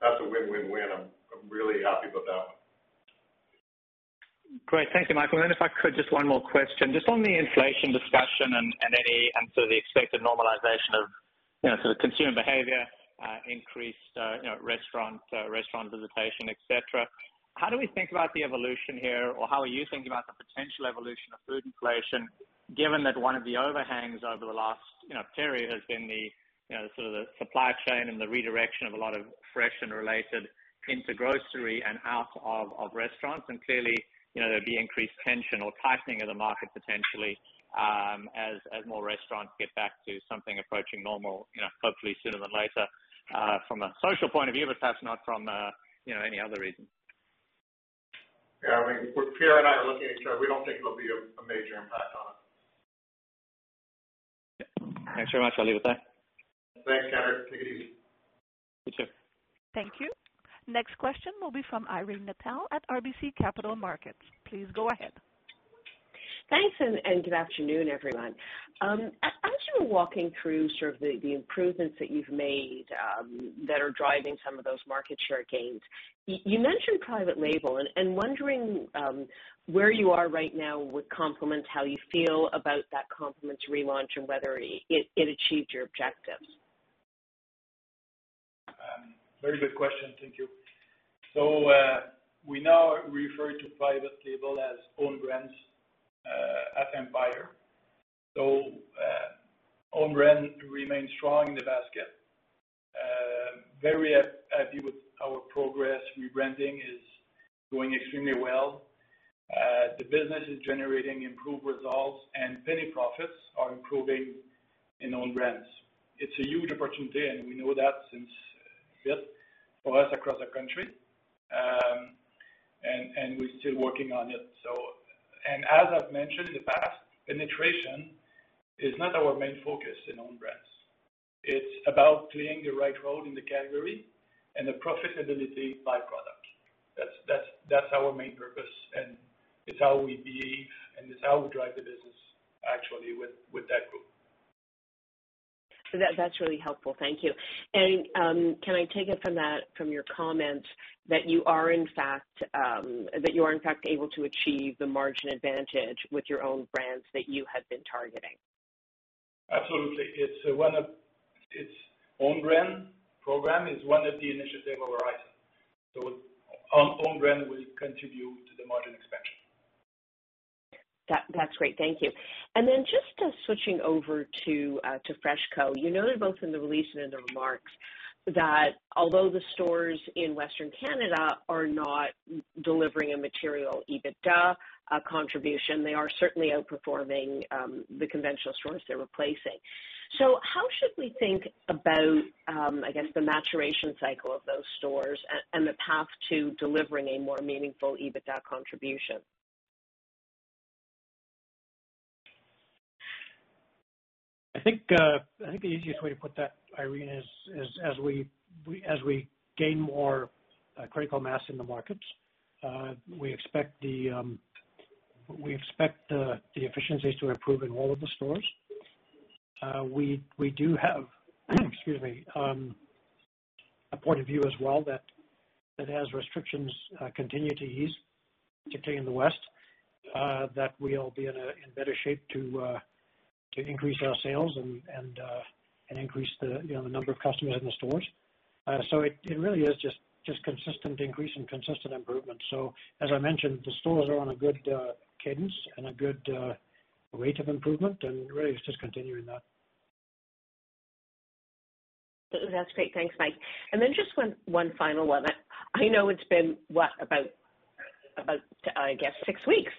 That's a win-win-win. I'm really happy about that one. Great. Thank you, Michael. If I could just one more question. Just on the inflation discussion and sort of the expected normalization of consumer behavior, increased restaurant visitation, etc. How do we think about the evolution here, or how are you thinking about the potential evolution of food inflation, given that one of the overhangs over the last period has been the sort of the supply chain and the redirection of a lot of fresh and related into grocery and out of restaurants? Clearly, there'd be increased tension or tightening of the market potentially, as more restaurants get back to something approaching normal, hopefully sooner than later, from a social point of view, but perhaps not from any other reason. Yeah, Pierre St-Laurent and I are looking at each other. We don't think it'll be a major impact on us. Thanks very much. I'll leave it there. Thanks, Kenric. Take it easy. You too. Thank you. Next question will be from Irene Nattel at RBC Capital Markets. Please go ahead. Thanks, good afternoon, everyone. As you were walking through sort of the improvements that you've made that are driving some of those market share gains, you mentioned private label, and wondering where you are right now with Compliments, how you feel about that Compliments relaunch, and whether it achieved your objectives. Very good question. Thank you. We now refer to private label as own brands at Empire. Own brand remains strong in the basket. Very happy with our progress. Rebranding is doing extremely well. The business is generating improved results, and penny profits are improving in own brands. It's a huge opportunity, and we know that since fit for us across the country, and we're still working on it. As I've mentioned in the past, penetration is not our main focus in own brands. It's about clearing the right road in the category and the profitability by product. That's our main purpose, and it's how we be, and it's how we drive the business actually with that group. That's really helpful. Thank you. Can I take it from that, from your comment that you are in fact able to achieve the margin advantage with your own brands that you have been targeting? Absolutely. It's one of -- it's own brand program is one of the initiative of Horizon. Our own brand will contribute to the margin expansion. That's great. Thank you. Just switching over to FreshCo. You noted both in the release and in the remarks that although the stores in Western Canada are not delivering a material EBITDA contribution, they are certainly outperforming the conventional stores they're replacing. How should we think about, I guess, the maturation cycle of those stores and the path to delivering a more meaningful EBITDA contribution? I think the easiest way to put that, Irene, is as we gain more critical mass in the markets, we expect the efficiencies to improve in all of the stores. We do have a point of view as well that as restrictions continue to ease, particularly in the West, that we'll be in better shape to increase our sales and increase the number of customers in the stores. It really is just consistent increase and consistent improvement. As I mentioned, the stores are on a good cadence and a good rate of improvement and really it's just continuing that. That's great. Thanks, Mike. Then, just one final one. I know it's been, what, about, I guess, six weeks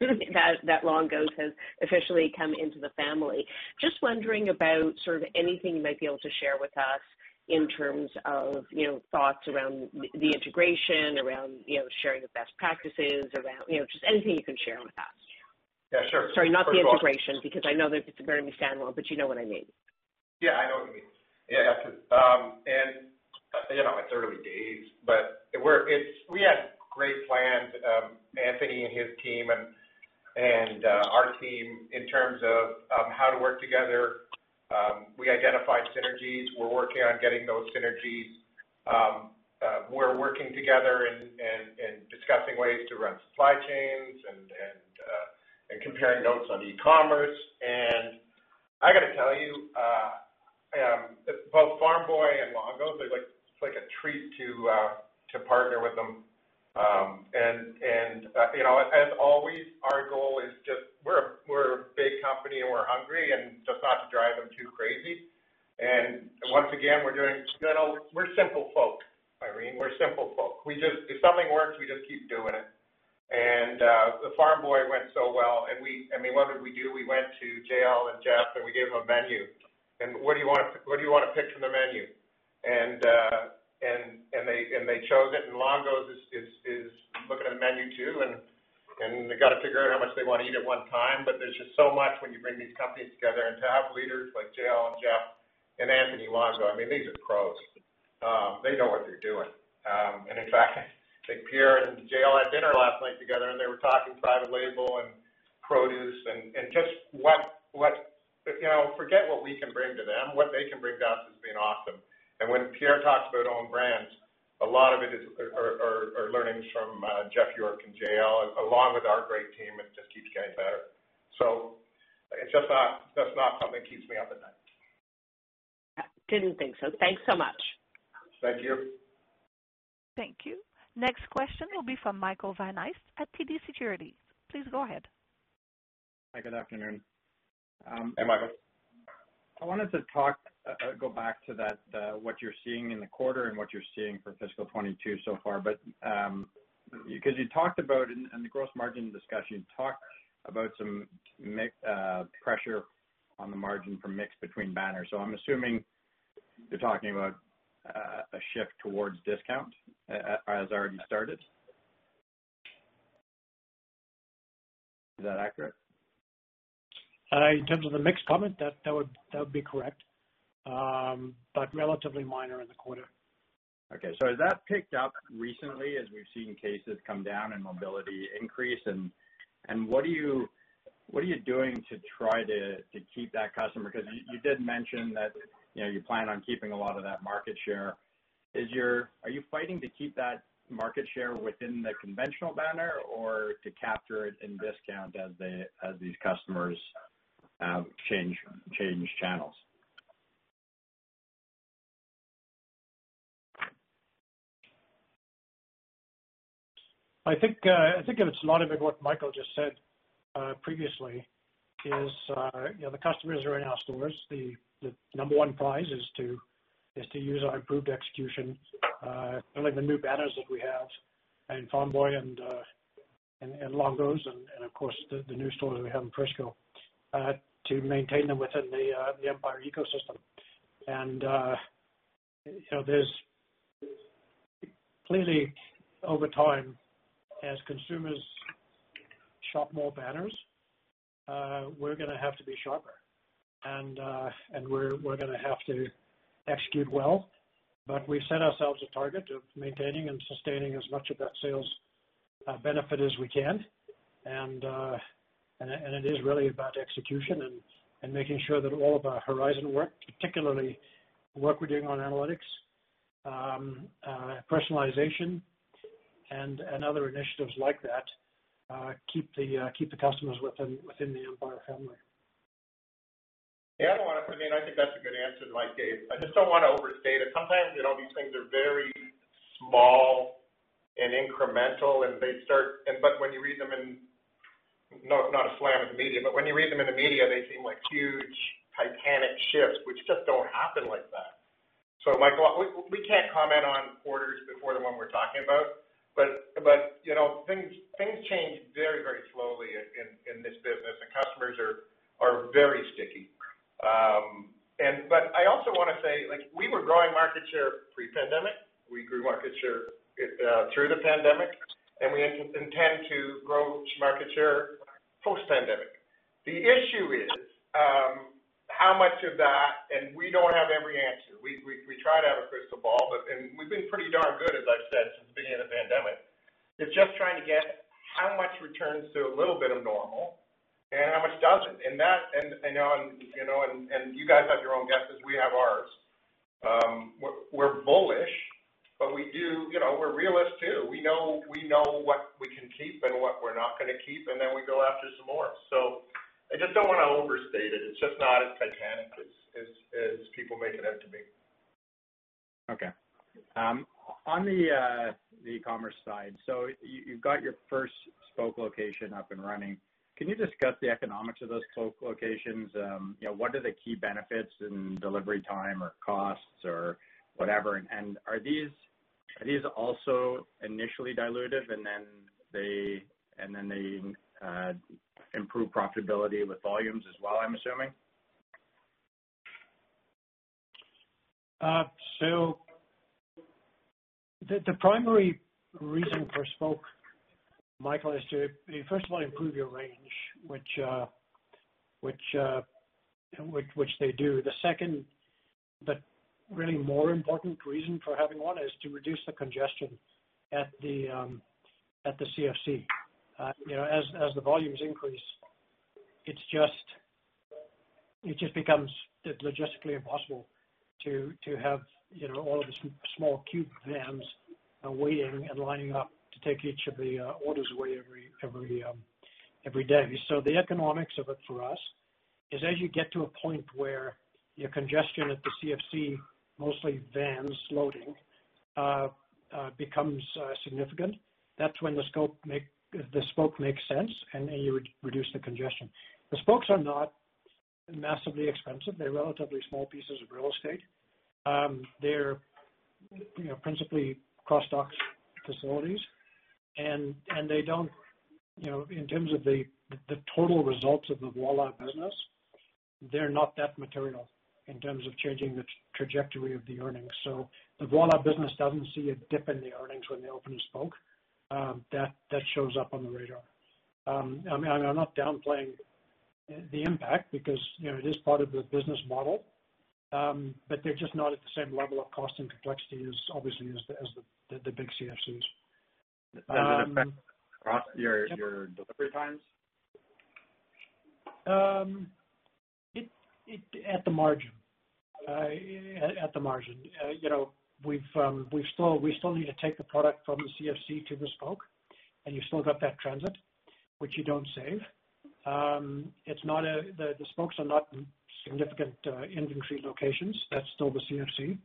that Longo's has officially come into the family. Just wondering about sort of anything you might be able to share with us in terms of thoughts around the integration, around sharing of best practices, around just anything you can share with us. Yeah, sure. Sorry, not the integration, because I know that it's very standalone, but you know what I mean. Yeah, I know what you mean. Yeah. It's early days, but we had great plans, Anthony and his team and our team, in terms of how to work together. We identified synergies. We're working on getting those synergies. We're working together and discussing ways to run supply chains and comparing notes on e-commerce. I got to tell you, both Farm Boy and Longo's, it's like a treat to partner with them. As always, our goal is just we're a big company and we're hungry and just not to drive them too crazy. Once again, we're simple folk, Irene. We're simple folk. If something works, we just keep doing it. The Farm Boy went so well, and what did we do? We went to JL. and Jeff, and we gave them a menu. What do you want to pick from the menu? They chose it and Longo's is looking at a menu, too, and they've got to figure out how much they want to eat at one time. There's just so much when you bring these companies together. To have leaders like JL and Jeff and Anthony Longo, these are pros. They know what they're doing. In fact, Pierre and JL had dinner last night together, and they were talking private label and produce and just forget what we can bring to them, what they can bring to us has been awesome. When Pierre talks about own brands, a lot of it are learnings from Jeff York and JL, along with our great team. It just keeps getting better. That's not something that keeps me up at night. I didn't think so. Thanks so much. Thank you. Thank you. Next question will be from Michael Van Aelst at TD Securities. Please go ahead. Hi, good afternoon. Hey, Michael. I wanted to go back to what you're seeing in the quarter and what you're seeing for fiscal 2022 so far. You talked about, in the gross margin discussion, talked about some pressure on the margin from mix between banners. I'm assuming you're talking about a shift towards discount has already started. Is that accurate? In terms of the mix comment, that would be correct, but relatively minor in the quarter. Okay. Has that picked up recently as we've seen cases come down and mobility increase? What are you doing to try to keep that customer? Because you did mention that you plan on keeping a lot of that market share. Are you fighting to keep that market share within the conventional banner or to capture it in discount as these customers change channels? I think it's a lot of what Michael just said previously, is the customers are in our stores. The number one prize is to use our improved execution, like the new banners that we have in Farm Boy and Longo's and of course, the new stores we have in FreshCo, to maintain them within the Empire ecosystem. There's clearly over time, as consumers shop more banners, we're going to have to be sharper and we're going to have to execute well. We've set ourselves a target of maintaining and sustaining as much of that sales benefit as we can. It is really about execution and making sure that all of our Project Horizon work, particularly work we're doing on analytics, personalization and other initiatives like that, keep the customers within the Empire family. Yeah, I think that's a good answer to Mike gave. I just don't want to overstate it. Sometimes all these things are very small and incremental and they start -- but when you read them in, not a slam on the media, but when you read them in the media, they seem like huge, titanic shifts, which just don't happen like that. So Michael, we can't comment on quarters before the one we're talking about, but things change very, very slowly in this business and customers are very sticky. I also want to say, we were growing market share pre-pandemic. We grew market share through the pandemic, and we intend to grow market share post-pandemic. The issue is how much of that, and we don't have every answer. We try to have a crystal ball, but we've been pretty darn good, as I've said, since the beginning of the pandemic. It's just trying to get how much returns to a little bit of normal and how much doesn't. You guys have your own guesses, we have ours. We're bullish, but we're realists, too. We know what we can keep and what we're not going to keep, and then we go after some more. I just don't want to overstate it. It's just not as titanic as people make it out to be. Okay. On the e-commerce side, you've got your first spoke location up and running. Can you discuss the economics of those spoke locations? What are the key benefits in delivery time or costs or whatever? Are these also initially diluted and then they improve profitability with volumes as well, I'm assuming? The primary reason for spoke, Michael, is to firstly improve your range, which they do. The second, the really more important reason for having one is to reduce the congestion at the CFC. As the volumes increase, it just becomes logistically impossible to have all the small cube vans waiting and lining up to take each of the orders away every day. The economics of it for us is as you get to a point where your congestion at the CFC, mostly vans loading, becomes significant. That's when the spoke makes sense, and you reduce the congestion. The spokes are not massively expensive. They're relatively small pieces of real estate. They're principally cross-dock facilities, and in terms of the total results of the Voilà business, they're not that material in terms of changing the trajectory of the earnings. The Voilà business doesn't see a dip in the earnings when they open a spoke that shows up on the radar. I'm not downplaying the impact because it is part of the business model. They're just not at the same level of cost and complexity obviously as the big CFCs. Does it affect across your delivery times? At the margin. We still need to take the product from the CFC to the spoke, and you've still got that transit, which you don't save. The spokes are not significant inventory locations. That's still the CFC.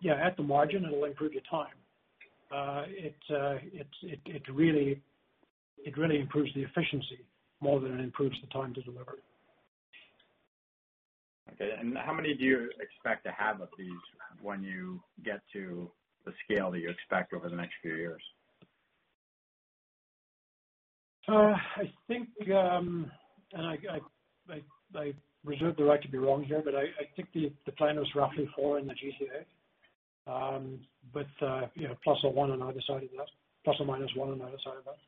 Yeah, at the margin, it'll improve your time. It really improves the efficiency more than it improves the time to delivery. Okay. How many do you expect to have of these when you get to the scale that you expect over the next few years? I think, and I reserve the right to be wrong here, but I think the plan was roughly four in the GTA. ±1 on either side of that.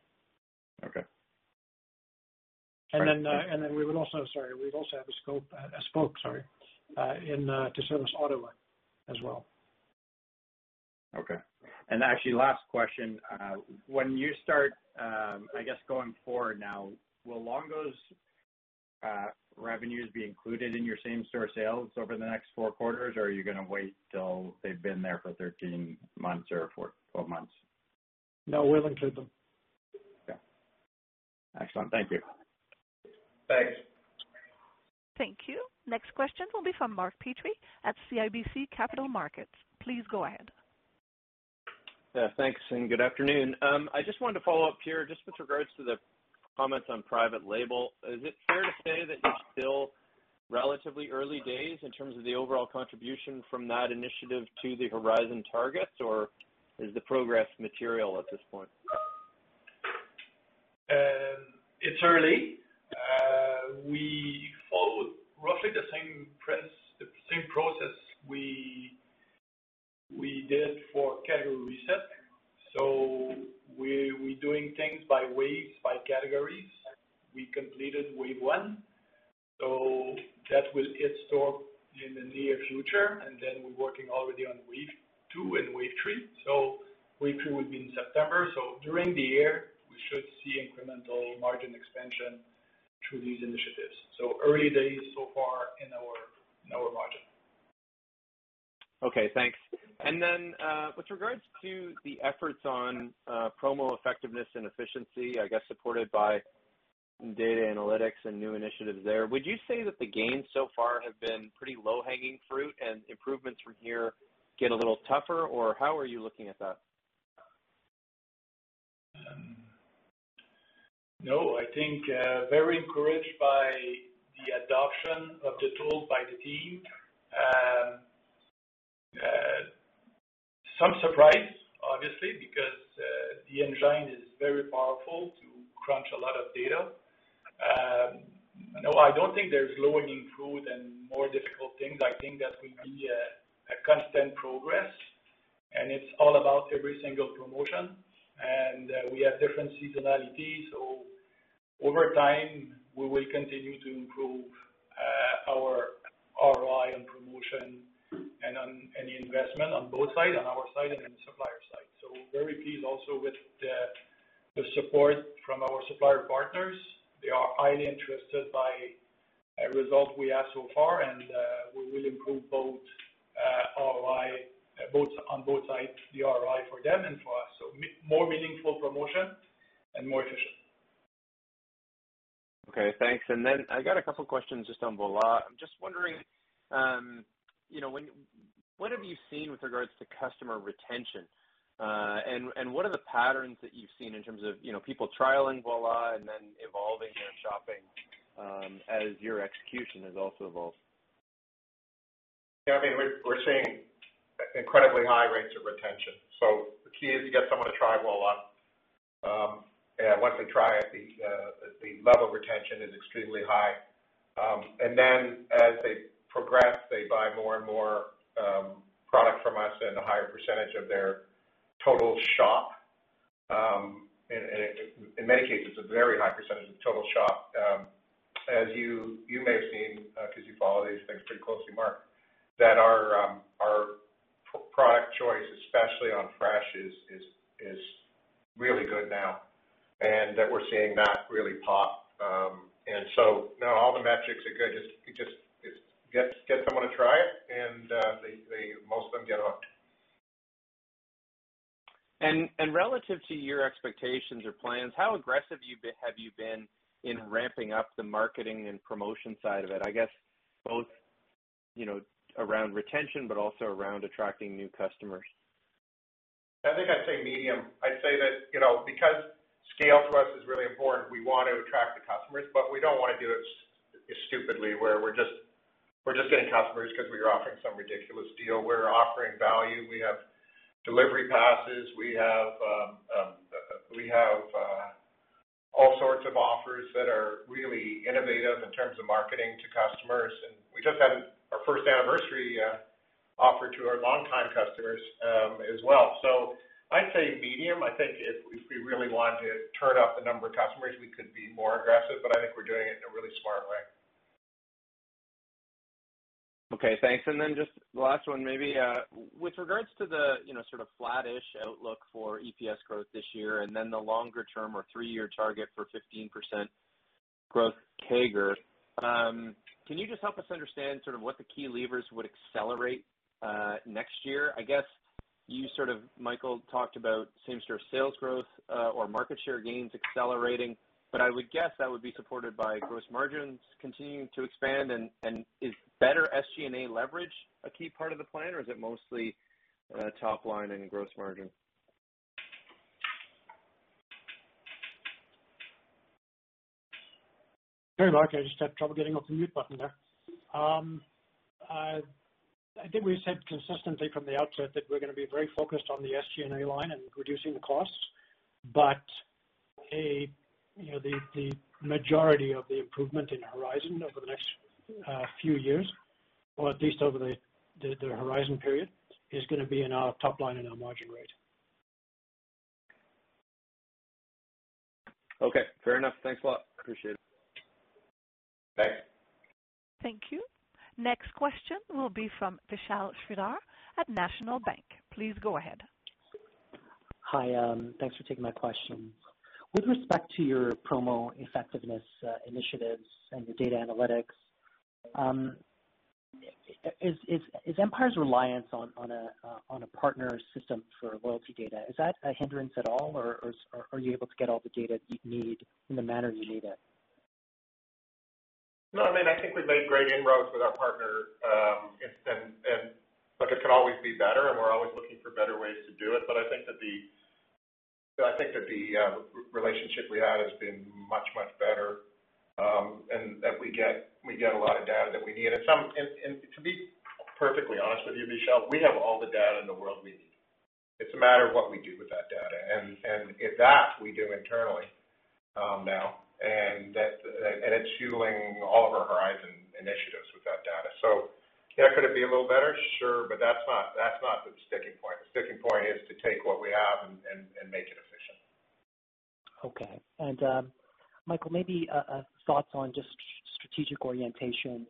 Okay. Then we would also have a spoke, sorry, to service Ottawa as well. Okay. Actually, last question. When you start, I guess, going forward now, will Longo's revenues be included in your same-store sales over the next four quarters, or are you going to wait till they've been there for 13 months or 12 months? No, we'll include them. Okay. Excellent. Thank you. Thanks. Thank you. Next question will be from Mark Petrie at CIBC Capital Markets. Please go ahead. Yeah, thanks. Good afternoon. I just wanted to follow up here, just with regards to the comments on private label. Is it fair to say that you're still relatively early days in terms of the overall contribution from that initiative to the Horizon targets, or is the progress material at this point? It's early. We followed roughly the same process we did for category reset. We're doing things by waves, by categories. We completed wave one, so that will hit store in the near future, and then we're working already on wave two and wave three. Wave two will be in September. During the year, we should see incremental margin expansion through these initiatives. Early days so far in our margin. Okay, thanks. With regards to the efforts on promo effectiveness and efficiency, I guess supported by data analytics and new initiatives there, would you say that the gains so far have been pretty low-hanging fruit and improvements from here get a little tougher? how are you looking at that? No, I think very encouraged by the adoption of the tools by the team. Some surprise, obviously, because the engine is very powerful to crunch a lot of data. No, I don't think there's low hanging fruits and more difficult things. I think that will be a constant progress, and it's all about every single promotion. We have different seasonality, so over time, we will continue to improve our ROI and promotion and on any investment on both sides, on our side and the supplier side. We're very pleased also with the support from our supplier partners. They are highly interested by results we have so far, and we will improve on both sides, the ROI for them and for us. More meaningful promotion and more efficient. Okay, thanks. I got a couple questions just on Voilà. I'm just wondering, what have you seen with regards to customer retention? What are the patterns that you've seen in terms of people trialing Voilà and then evolving their shopping as your execution has also evolved? Yeah, we're seeing incredibly high rates of retention. The key is to get someone to try Voilà. Once they try it, the level of retention is extremely high. As they progress, they buy more and more product from us and a higher percentage of their total shop. In many cases, a very high percentage of the total shop. As you may have seen, because you follow these things pretty closely, Mark, that our product choice, especially on fresh, is really good now and that we're seeing that really pop. Now all the metrics are good. You just get someone to try it, and most of them get hooked. Relative to your expectations or plans, how aggressive have you been in ramping up the marketing and promotion side of it? I guess both around retention, but also around attracting new customers. I think I'd say medium. I'd say that because scale to us is really important, we want to attract the customers, but we don't want to do it stupidly where we're just getting customers because we are offering some ridiculous deal. We're offering value. We have delivery passes. We have all sorts of offers that are really innovative in terms of marketing to customers, and we just had our first anniversary offer to our longtime customers as well. I'd say medium. I think if we really wanted to turn up the number of customers, we could be more aggressive, but I think we're doing it in a really smart way. Okay, thanks. Just the last one, maybe. With regards to the sort of flattish outlook for EPS growth this year and then the longer term or three-year target for 15% growth CAGR, can you just help us understand sort of what the key levers would accelerate next year? I guess you sort of, Michael, talked about same-store sales growth or market share gains accelerating, but I would guess that would be supported by gross margins continuing to expand. Is better SG&A leverage a key part of the plan, or is it mostly top line and gross margin? Sorry, Mark, I just had trouble getting off the mute button there. I think we said consistently from the outset that we're going to be very focused on the SG&A line and reducing the costs. The majority of the improvement in horizon over the next few years, or at least over the Horizon period, is going to be in our top line and our margin rate. Okay, fair enough. Thanks a lot. Appreciate it. Thanks. Thank you. Next question will be from Vishal Shreedhar at National Bank. Please go ahead. Hi. Thanks for taking my question. With respect to your promo effectiveness initiatives and the data analytics, is Empire's reliance on a partner system for loyalty data, is that a hindrance at all, or are you able to get all the data you need in the manner you need it? No, I think we've made great inroads with our partner, but it could always be better, and we're always looking for better ways to do it. I think that the relationship we have has been much, much better and that we get a lot of data that we need. To be perfectly honest with you, Vishal, we have all the data in the world we need. It's a matter of what we do with that data. That, we do internally now, and it's fueling all of our Horizon initiatives with that data. Yeah, could it be a little better? Sure. That's not the sticking point. The sticking point is to take what we have and make it efficient. Okay. Michael, maybe thoughts on just strategic orientation.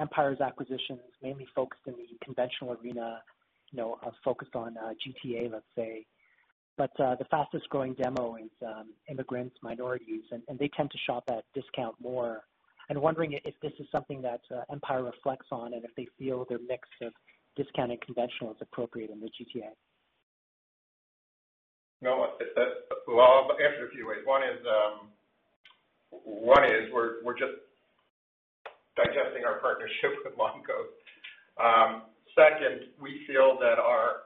Empire's acquisition is mainly focused in the conventional arena, focused on GTA, let's say, but the fastest-growing demo is immigrants, minorities, and they tend to shop at discount more. I'm wondering if this is something that Empire reflects on, and if they feel their mix of discount and conventional is appropriate in the GTA. No, I'll answer a few ways. One is we're just digesting our partnership with Longo's. Second, we feel that our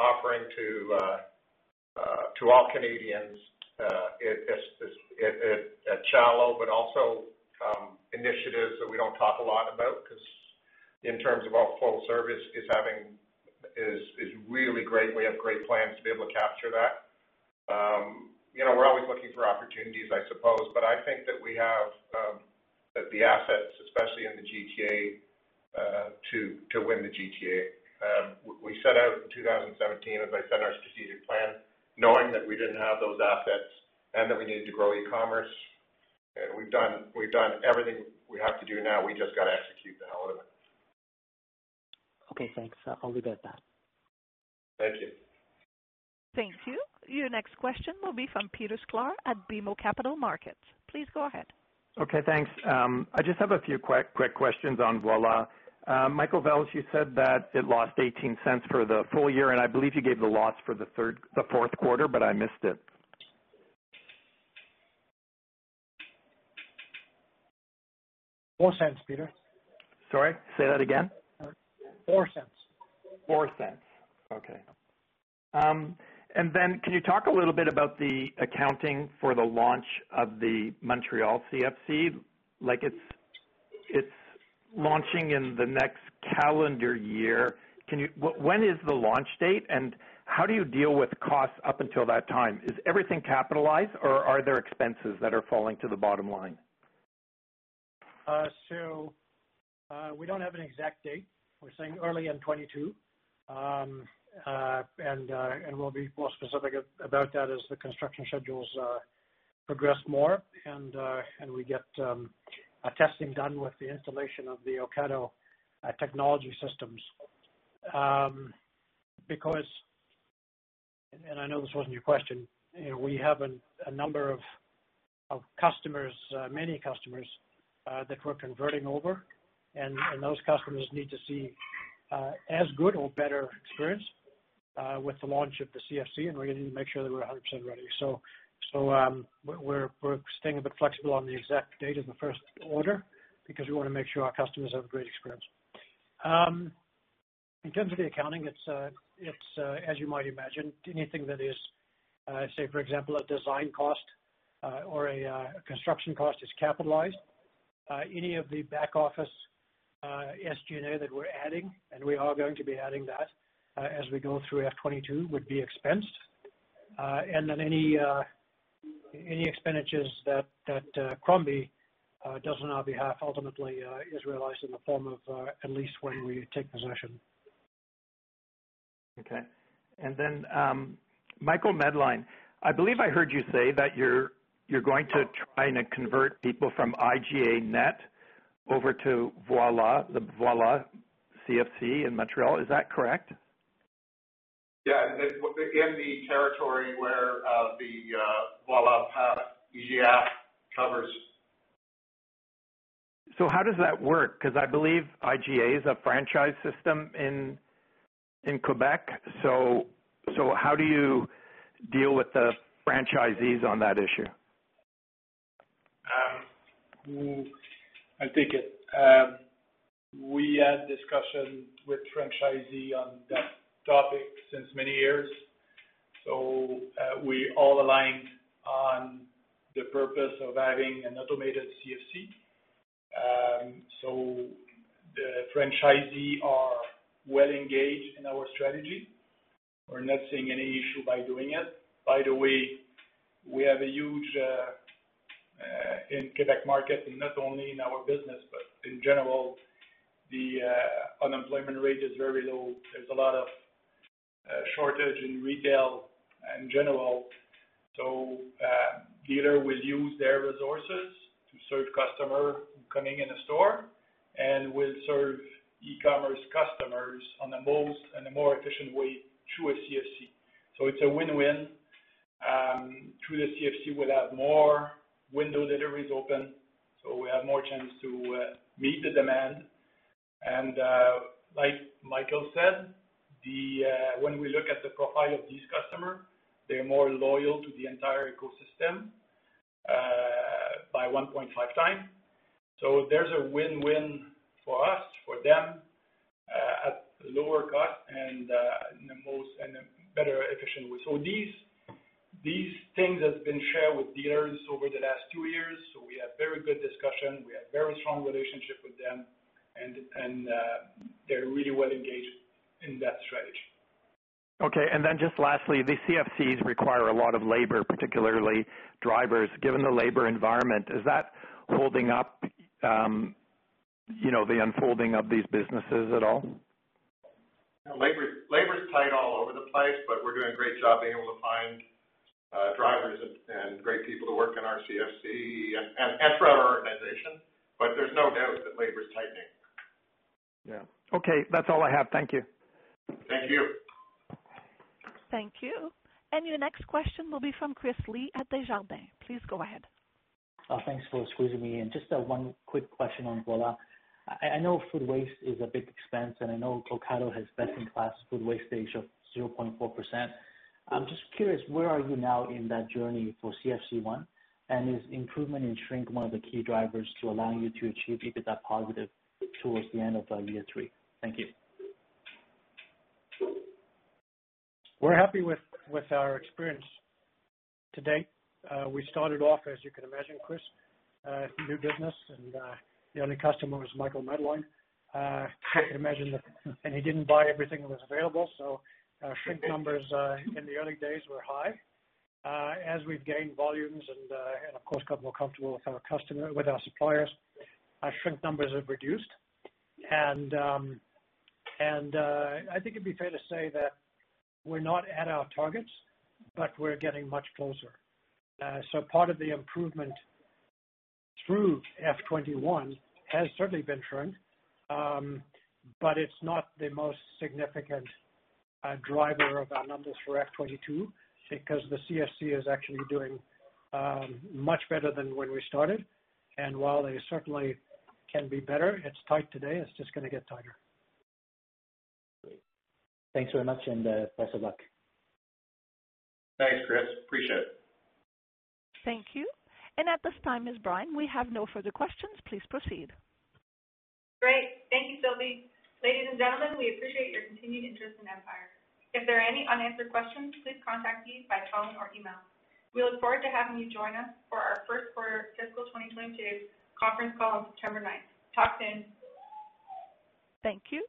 offering to all Canadians is a channel, but also initiatives that we don't talk a lot about because in terms of our full service is really great, and we have great plans to be able to capture that. We're always looking for opportunities, I suppose. I think that we have the assets, especially in the GTA, to win the GTA. We set out in 2017, as I said, our strategic plan, knowing that we didn't have those assets and that we needed to grow e-commerce. We've done everything we have to do now. We just got to execute now on it. Okay, thanks. I'll leave it at that. Thank you. Thank you. Your next question will be from Peter Sklar at BMO Capital Markets. Please go ahead. Okay, thanks. I just have a few quick questions on Voilà. Michael Vels, you said that it lost 0.18 for the full year, and I believe you gave the loss for the fourth quarter, but I missed it. 0.04, Peter. Sorry, say that again. 0.04 0.04. Okay. Can you talk a little bit about the accounting for the launch of the Montreal CFC? It's launching in the next calendar year. When is the launch date, and how do you deal with costs up until that time? Is everything capitalized, or are there expenses that are falling to the bottom line? We don't have an exact date. We're saying early in 2022. We'll be more specific about that as the construction schedules progress more and we get testing done with the installation of the Ocado technology systems. I know this wasn't your question, we have a number of customers, many customers, that we're converting over, and those customers need to see as good or better experience with the launch of the CFC. We need to make sure that we're 100% ready. We're staying a bit flexible on the exact date of the first order because we want to make sure our customers have a great experience. In terms of the accounting, it's as you might imagine, anything that is, say, for example, a design cost or a construction cost is capitalized. Any of the back-office SG&A that we're adding, and we are going to be adding that as we go through FY 2022, would be expensed. Any expenditures that Crombie does on our behalf ultimately is realized in the form of a lease when we take possession. Okay. Michael Medline, I believe I heard you say that you're going to try and convert people from IGA.net over to Voilà, the Voilà CFC in Montreal. Is that correct? Yeah. In the territory where the Voilà par IGA covers. How does that work? Because I believe IGA is a franchise system in Quebec. How do you deal with the franchisees on that issue? I take it. We had discussions with franchisee on that topic since many years. We all aligned on the purpose of having an automated CFC. The franchisee are well engaged in our strategy. We're not seeing any issue by doing it. By the way, we have a huge, in Quebec market, and not only in our business, but in general, the unemployment rate is very low. There's a lot of shortage in retail in general. Dealer will use their resources to serve customer coming in the store and will serve e-commerce customers on a most and a more efficient way through a CFC. It's a win-win. Through the CFC, we'll have more window deliveries open, so we have more chance to meet the demand. Like Michael said, when we look at the profile of these customer, they're more loyal to the entire ecosystem, by 1.5 times. There's a win-win for us, for them, at a lower cost and in a better efficient way. These things have been shared with dealers over the last two years. We have very good discussion. We have very strong relationship with them, and they're really well engaged in that strategy. Okay, just lastly, the CFCs require a lot of labor, particularly drivers. Given the labor environment, is that holding up the unfolding of these businesses at all? Labor's tight all over the place, but we're doing a great job being able to find drivers and great people to work in our CFC and for our organization. There's no doubt that labor is tightening. Yeah. Okay. That's all I have. Thank you. Thank you. Thank you. Your next question will be from Chris Li at Desjardins. Please go ahead. Thanks for squeezing me in. Just one quick question on Voilà. I know food waste is a big expense, and I know Ocado has best-in-class food waste ratio of 0.4%. I'm just curious, where are you now in that journey for CFC1? Is improvement in shrink one of the key drivers to allowing you to achieve EBITDA positive towards the end of year three? Thank you. We're happy with our experience to date. We started off, as you can imagine, Chris, a new business, and the only customer was Michael Medline. I could imagine that -- and he didn't buy everything that was available, so our shrink numbers in the early days were high. As we've gained volumes and of course, got more comfortable with our suppliers, our shrink numbers have reduced. I think it'd be fair to say that we're not at our targets, but we're getting much closer. Part of the improvement through FY 2021 has certainly been shrink, but it's not the most significant driver of our numbers for FY 2022 because the CFC is actually doing much better than when we started. While it certainly can be better, it's tight today, it's just going to get tighter. Great. Thanks very much, and best of luck. Thanks, Chris. Appreciate it. Thank you. At this time, Ms. Brine, we have no further questions. Please proceed. Great. Thank you, Sylvie. Ladies and gentlemen, we appreciate your continued interest in Empire. If there are any unanswered questions, please contact me by phone or email. We look forward to having you join us for our first quarter fiscal 2022 conference call on September 9th. Talk soon. Thank you.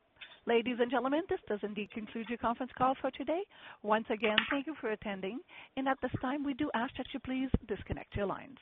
Ladies and gentlemen, this does indeed conclude your conference call for today. Once again, thank you for attending. And at this time, we do ask that you please disconnect your lines.